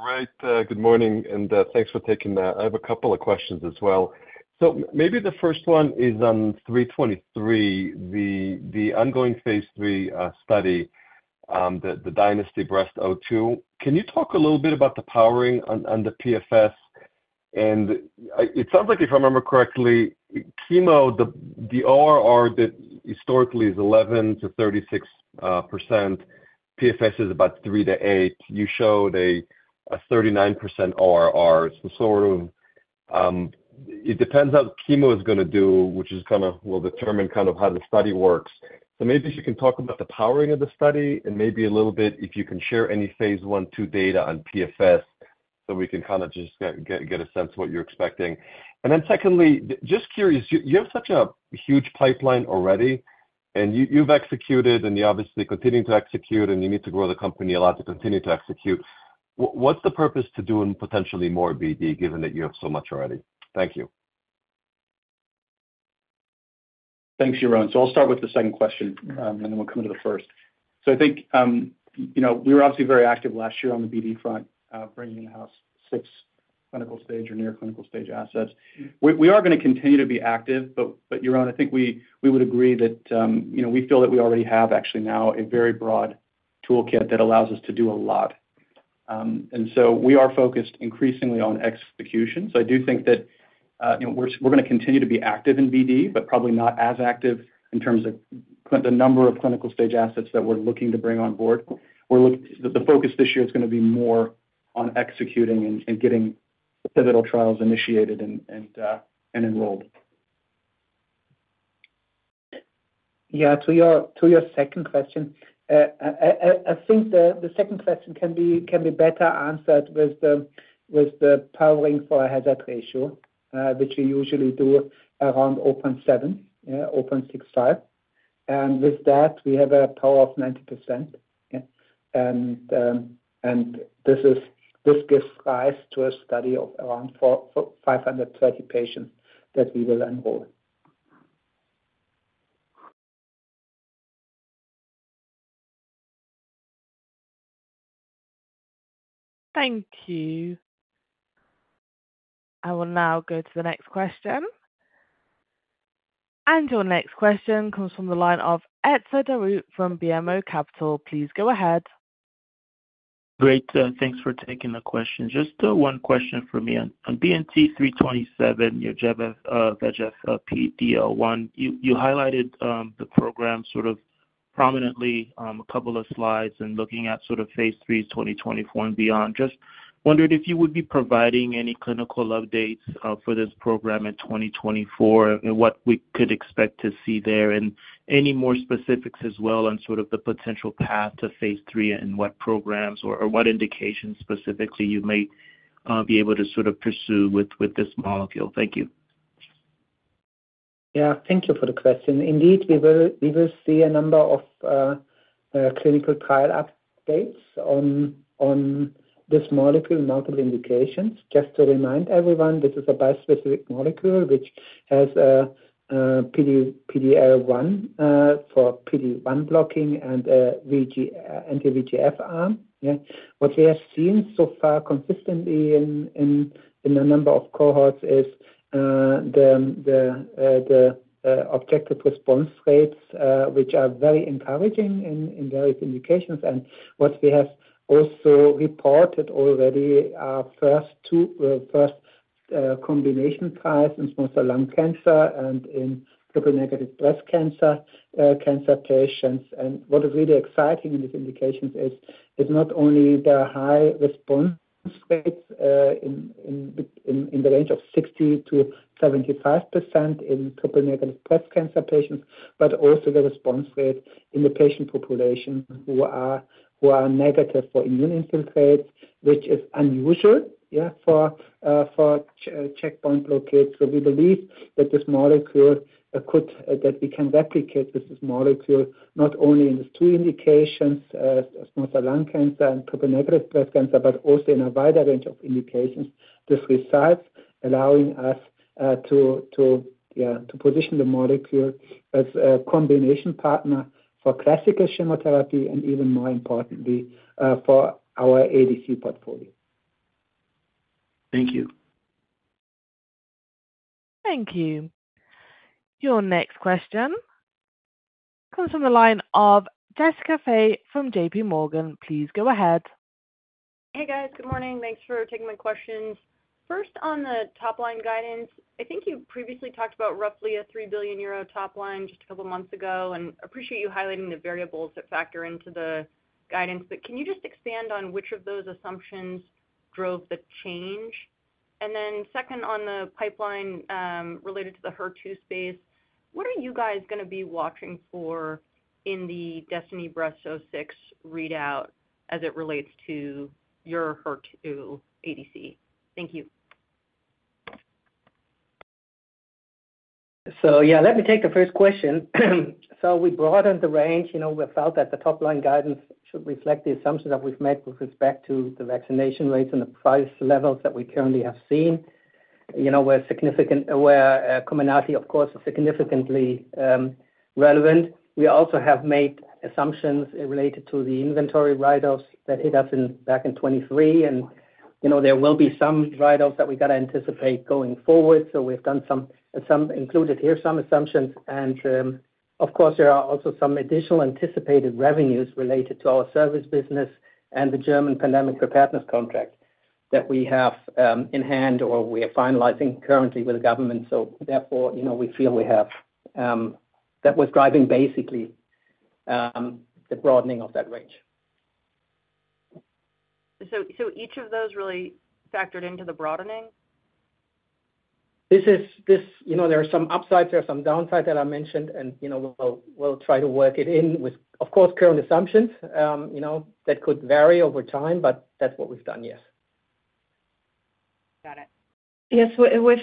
Right, good morning, and, thanks for taking that. I have a couple of questions as well. So maybe the first one is on BNT323, the ongoing phase III study, the DYNASTY-Breast02. Can you talk a little bit about the powering on the PFS? And I-- it sounds like, if I remember correctly, chemo, the ORR that historically is 11%-36%, PFS is about 3-8. You showed a 39% ORR. So sort of, it depends how the chemo is gonna do, which is kinda, will determine kind of how the study works. So maybe if you can talk about the powering of the study and maybe a little bit, if you can share any phase I, 2 data on PFS, so we can kinda just get a sense of what you're expecting. And then secondly, just curious, you have such a huge pipeline already, and you've executed and you're obviously continuing to execute, and you need to grow the company a lot to continue to execute. What's the purpose to doing potentially more BD, given that you have so much already? Thank you. Thanks, Yaron. So I'll start with the second question, and then we'll come to the first. So I think, you know, we were obviously very active last year on the BD front, bringing in-house six clinical stage or near clinical stage assets. We are gonna continue to be active, but Yaron, I think we would agree that, you know, we feel that we already have actually now a very broad toolkit that allows us to do a lot. And so we are focused increasingly on execution. So I do think that, you know, we're gonna continue to be active in BD, but probably not as active in terms of the number of clinical stage assets that we're looking to bring on board. We're look... The focus this year is gonna be more on executing and getting the pivotal trials initiated and enrolled. Yeah, to your second question. I think the second question can be better answered with the powering for a hazard ratio, which we usually do around 0.7, yeah, 0.65.... And with that, we have a power of 90%, yeah. And this gives rise to a study of around 450 patients that we will enroll. Thank you. I will now go to the next question. Your next question comes from the line of Etzer Darout from BMO Capital. Please go ahead. Great, thanks for taking the question. Just, one question from me. On, on BNT327, your VEGF, VEGF, PD-L1, you, you highlighted, the program sort of prominently, a couple of slides and looking at sort of phase IIIs 2024 and beyond. Just wondered if you would be providing any clinical updates, for this program in 2024, and what we could expect to see there, and any more specifics as well on sort of the potential path to phase III and what programs or, or what indications specifically you may, be able to sort of pursue with, with this molecule? Thank you. Yeah, thank you for the question. Indeed, we will see a number of clinical trial updates on this molecule, multiple indications. Just to remind everyone, this is a bispecific molecule which has PD-L1 for PD-1 blocking and anti-VEGF arm. Yeah. What we have seen so far consistently in a number of cohorts is the objective response rates, which are very encouraging in various indications. And what we have also reported already, our first two combination trials in small cell lung cancer and in triple-negative breast cancer patients. What is really exciting in these indications is not only the high response rates in the range of 60%-75% in triple-negative breast cancer patients, but also the response rate in the patient population who are negative for immune infiltrates, which is unusual, yeah, for checkpoint blockade. So we believe that this molecule could that we can replicate this molecule, not only in these two indications, as small cell lung cancer and triple-negative breast cancer, but also in a wider range of indications. This besides allowing us to position the molecule as a combination partner for classical chemotherapy and even more importantly for our ADC portfolio. Thank you. Thank you. Your next question comes from the line of Jessica Fye from JPMorgan. Please go ahead. Hey, guys. Good morning. Thanks for taking my questions. First, on the top-line guidance, I think you previously talked about roughly a 3 billion euro top line just a couple of months ago, and appreciate you highlighting the variables that factor into the guidance. But can you just expand on which of those assumptions drove the change? And then second, on the pipeline, related to the HER2 space, what are you guys gonna be watching for in the DESTINY-Breast06 readout as it relates to your HER2 ADC? Thank you. So yeah, let me take the first question. So we broadened the range. You know, we felt that the top-line guidance should reflect the assumptions that we've made with respect to the vaccination rates and the price levels that we currently have seen. You know, where Comirnaty, of course, is significantly relevant. We also have made assumptions related to the inventory write-offs that hit us in, back in 2023. And, you know, there will be some write-offs that we've got to anticipate going forward. So we've done some, included here, some assumptions. And, of course, there are also some additional anticipated revenues related to our service business and the German Pandemic Preparedness contract that we have in hand or we are finalizing currently with the government. So therefore, you know, we feel we have that was driving basically the broadening of that range. So, each of those really factored into the broadening? This, you know, there are some upsides, there are some downsides that I mentioned, and, you know, we'll try to work it in with, of course, current assumptions. You know, that could vary over time, but that's what we've done, yes. Got it. Yes, with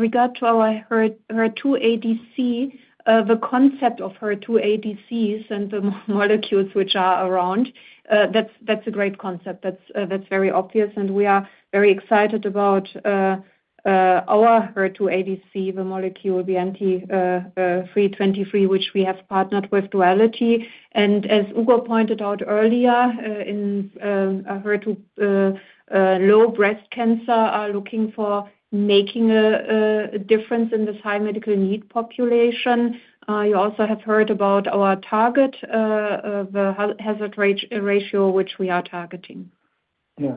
regard to our HER2 ADC, the concept of HER2 ADCs and the molecules which are around, that's a great concept. That's very obvious, and we are very excited about our HER2 ADC, the molecule, the BNT323, which we have partnered with Duality. And as Uğur pointed out earlier, in HER2-low breast cancer, are looking for making a difference in this high medical need population. You also have heard about our target of hazard ratio, which we are targeting. Yeah,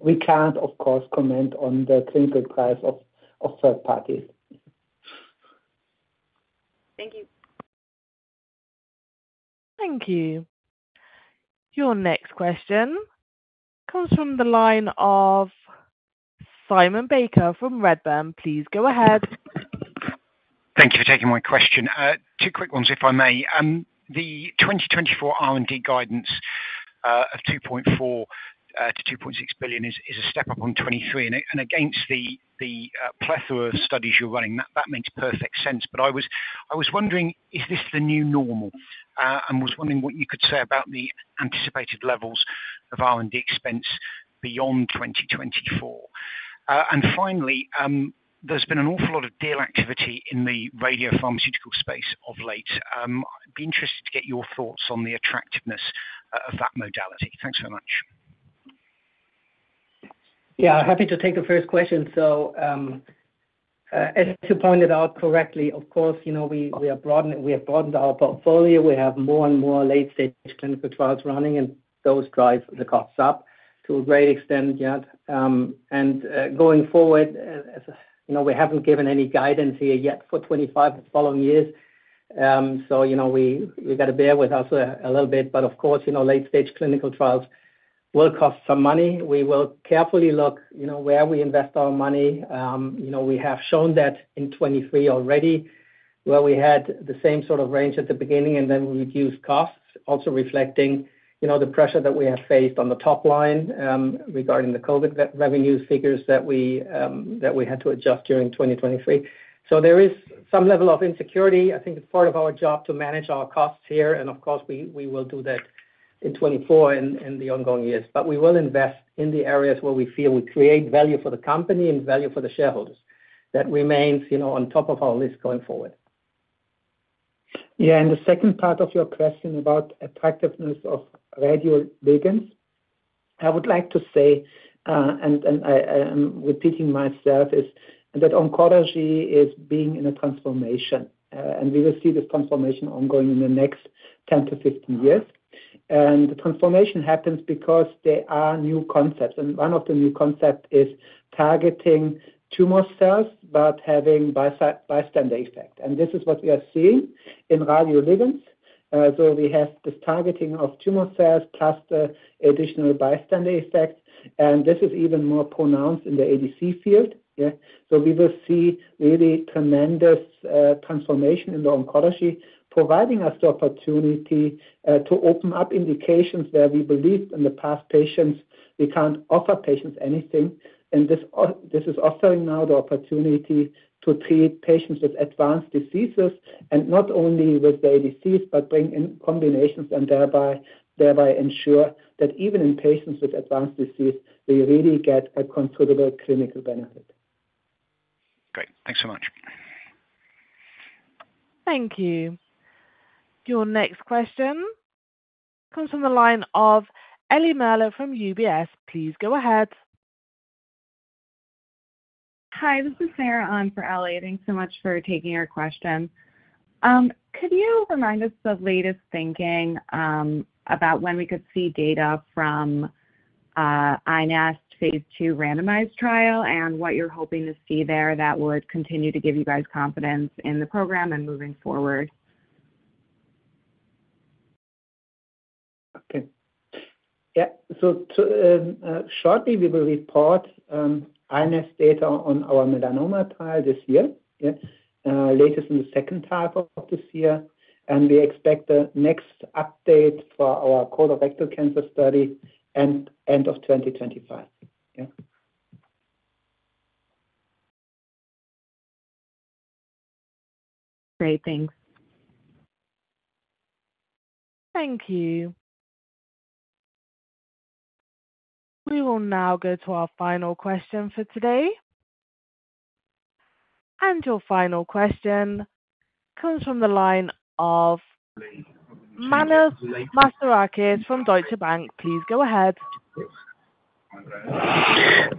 we can't, of course, comment on the clinical trials of third parties. Thank you. Thank you. Your next question comes from the line of Simon Baker from Redburn. Please go ahead. Thank you for taking my question. Two quick ones, if I may. The 2024 R&D guidance-... of 2.4 billion-2.6 billion is a step up on 2023. And against the plethora of studies you're running, that makes perfect sense. But I was wondering, is this the new normal? And was wondering what you could say about the anticipated levels of R&D expense beyond 2024. And finally, there's been an awful lot of deal activity in the radiopharmaceutical space of late. I'd be interested to get your thoughts on the attractiveness of that modality. Thanks so much. Yeah, happy to take the first question. So, as you pointed out correctly, of course, you know, we have broadened our portfolio. We have more and more late-stage clinical trials running, and those drive the costs up to a great extent yet. And, going forward, as, you know, we haven't given any guidance here yet for 2025, the following years. So, you know, we, you gotta bear with us, a little bit. But of course, you know, late-stage clinical trials will cost some money. We will carefully look, you know, where we invest our money. You know, we have shown that in 2023 already, where we had the same sort of range at the beginning, and then we reduced costs. Also reflecting, you know, the pressure that we have faced on the top line, regarding the COVID revenue figures that we had to adjust during 2023. So there is some level of insecurity. I think it's part of our job to manage our costs here, and of course, we will do that in 2024 and the ongoing years. But we will invest in the areas where we feel we create value for the company and value for the shareholders. That remains, you know, on top of our list going forward. Yeah, and the second part of your question about attractiveness of radioligands, I would like to say, and repeating myself, is that oncology is being in a transformation, and we will see this transformation ongoing in the next 10-15 years. The transformation happens because there are new concepts, and one of the new concepts is targeting tumor cells, but having bystander effect. And this is what we are seeing in radioligands. So we have this targeting of tumor cells, plus the additional bystander effect, and this is even more pronounced in the ADC field. Yeah, so we will see really tremendous transformation in the oncology, providing us the opportunity to open up indications where we believed in the past patients, we can't offer patients anything. And this is offering now the opportunity to treat patients with advanced diseases and not only with their disease, but bring in combinations and thereby ensure that even in patients with advanced disease, they really get a considerable clinical benefit. Great, thanks so much. Thank you. Your next question comes from the line of Eliana Merle from UBS. Please go ahead. Hi, this is Sarah on for Eliana. Thanks so much for taking our question. Could you remind us the latest thinking about when we could see data from iNeST phase II randomized trial? And what you're hoping to see there that would continue to give you guys confidence in the program and moving forward? Okay. Yeah, so shortly, we will report iNeST data on our melanoma trial this year. Yeah. Latest in the second half of this year, and we expect the next update for our colorectal cancer study end of 2025. Yeah. Great. Thanks. Thank you. We will now go to our final question for today. Your final question comes from the line of Emmanuel Papadakis from Deutsche Bank. Please go ahead.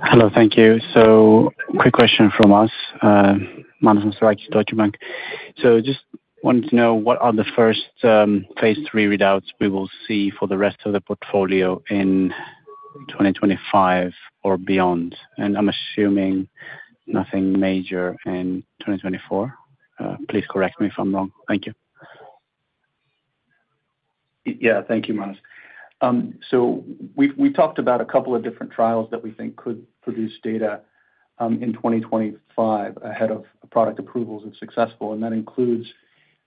Hello, thank you. So quick question from us, Emmanuel Papadakis, Deutsche Bank. So just wanted to know, what are the first phase III readouts we will see for the rest of the portfolio in 2025 or beyond? And I'm assuming nothing major in 2024. Please correct me if I'm wrong. Thank you. Yeah. Thank you, Manus. So we talked about a couple of different trials that we think could produce data in 2025, ahead of product approvals, if successful. And that includes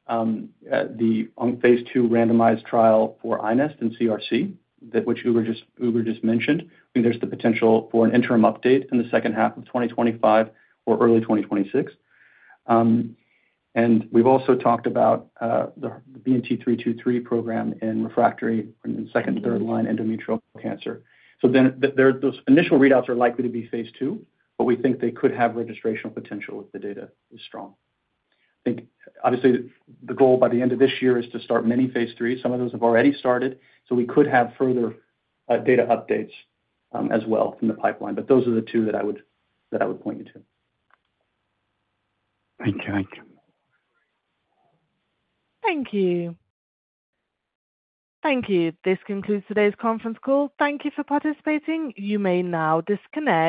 the ongoing phase II randomized trial for iNeST in CRC, that Ugur just mentioned. I think there's the potential for an interim update in the second half of 2025 or early 2026. And we've also talked about the BNT323 program in refractory and second- and third-line endometrial cancer. So those initial readouts are likely to be phase II, but we think they could have registrational potential if the data is strong. I think obviously the goal by the end of this year is to start many phase IIIs. Some of those have already started, so we could have further data updates as well from the pipeline. But those are the two that I would point you to. Thank you. Thank you. Thank you. Thank you. This concludes today's conference call. Thank you for participating. You may now disconnect.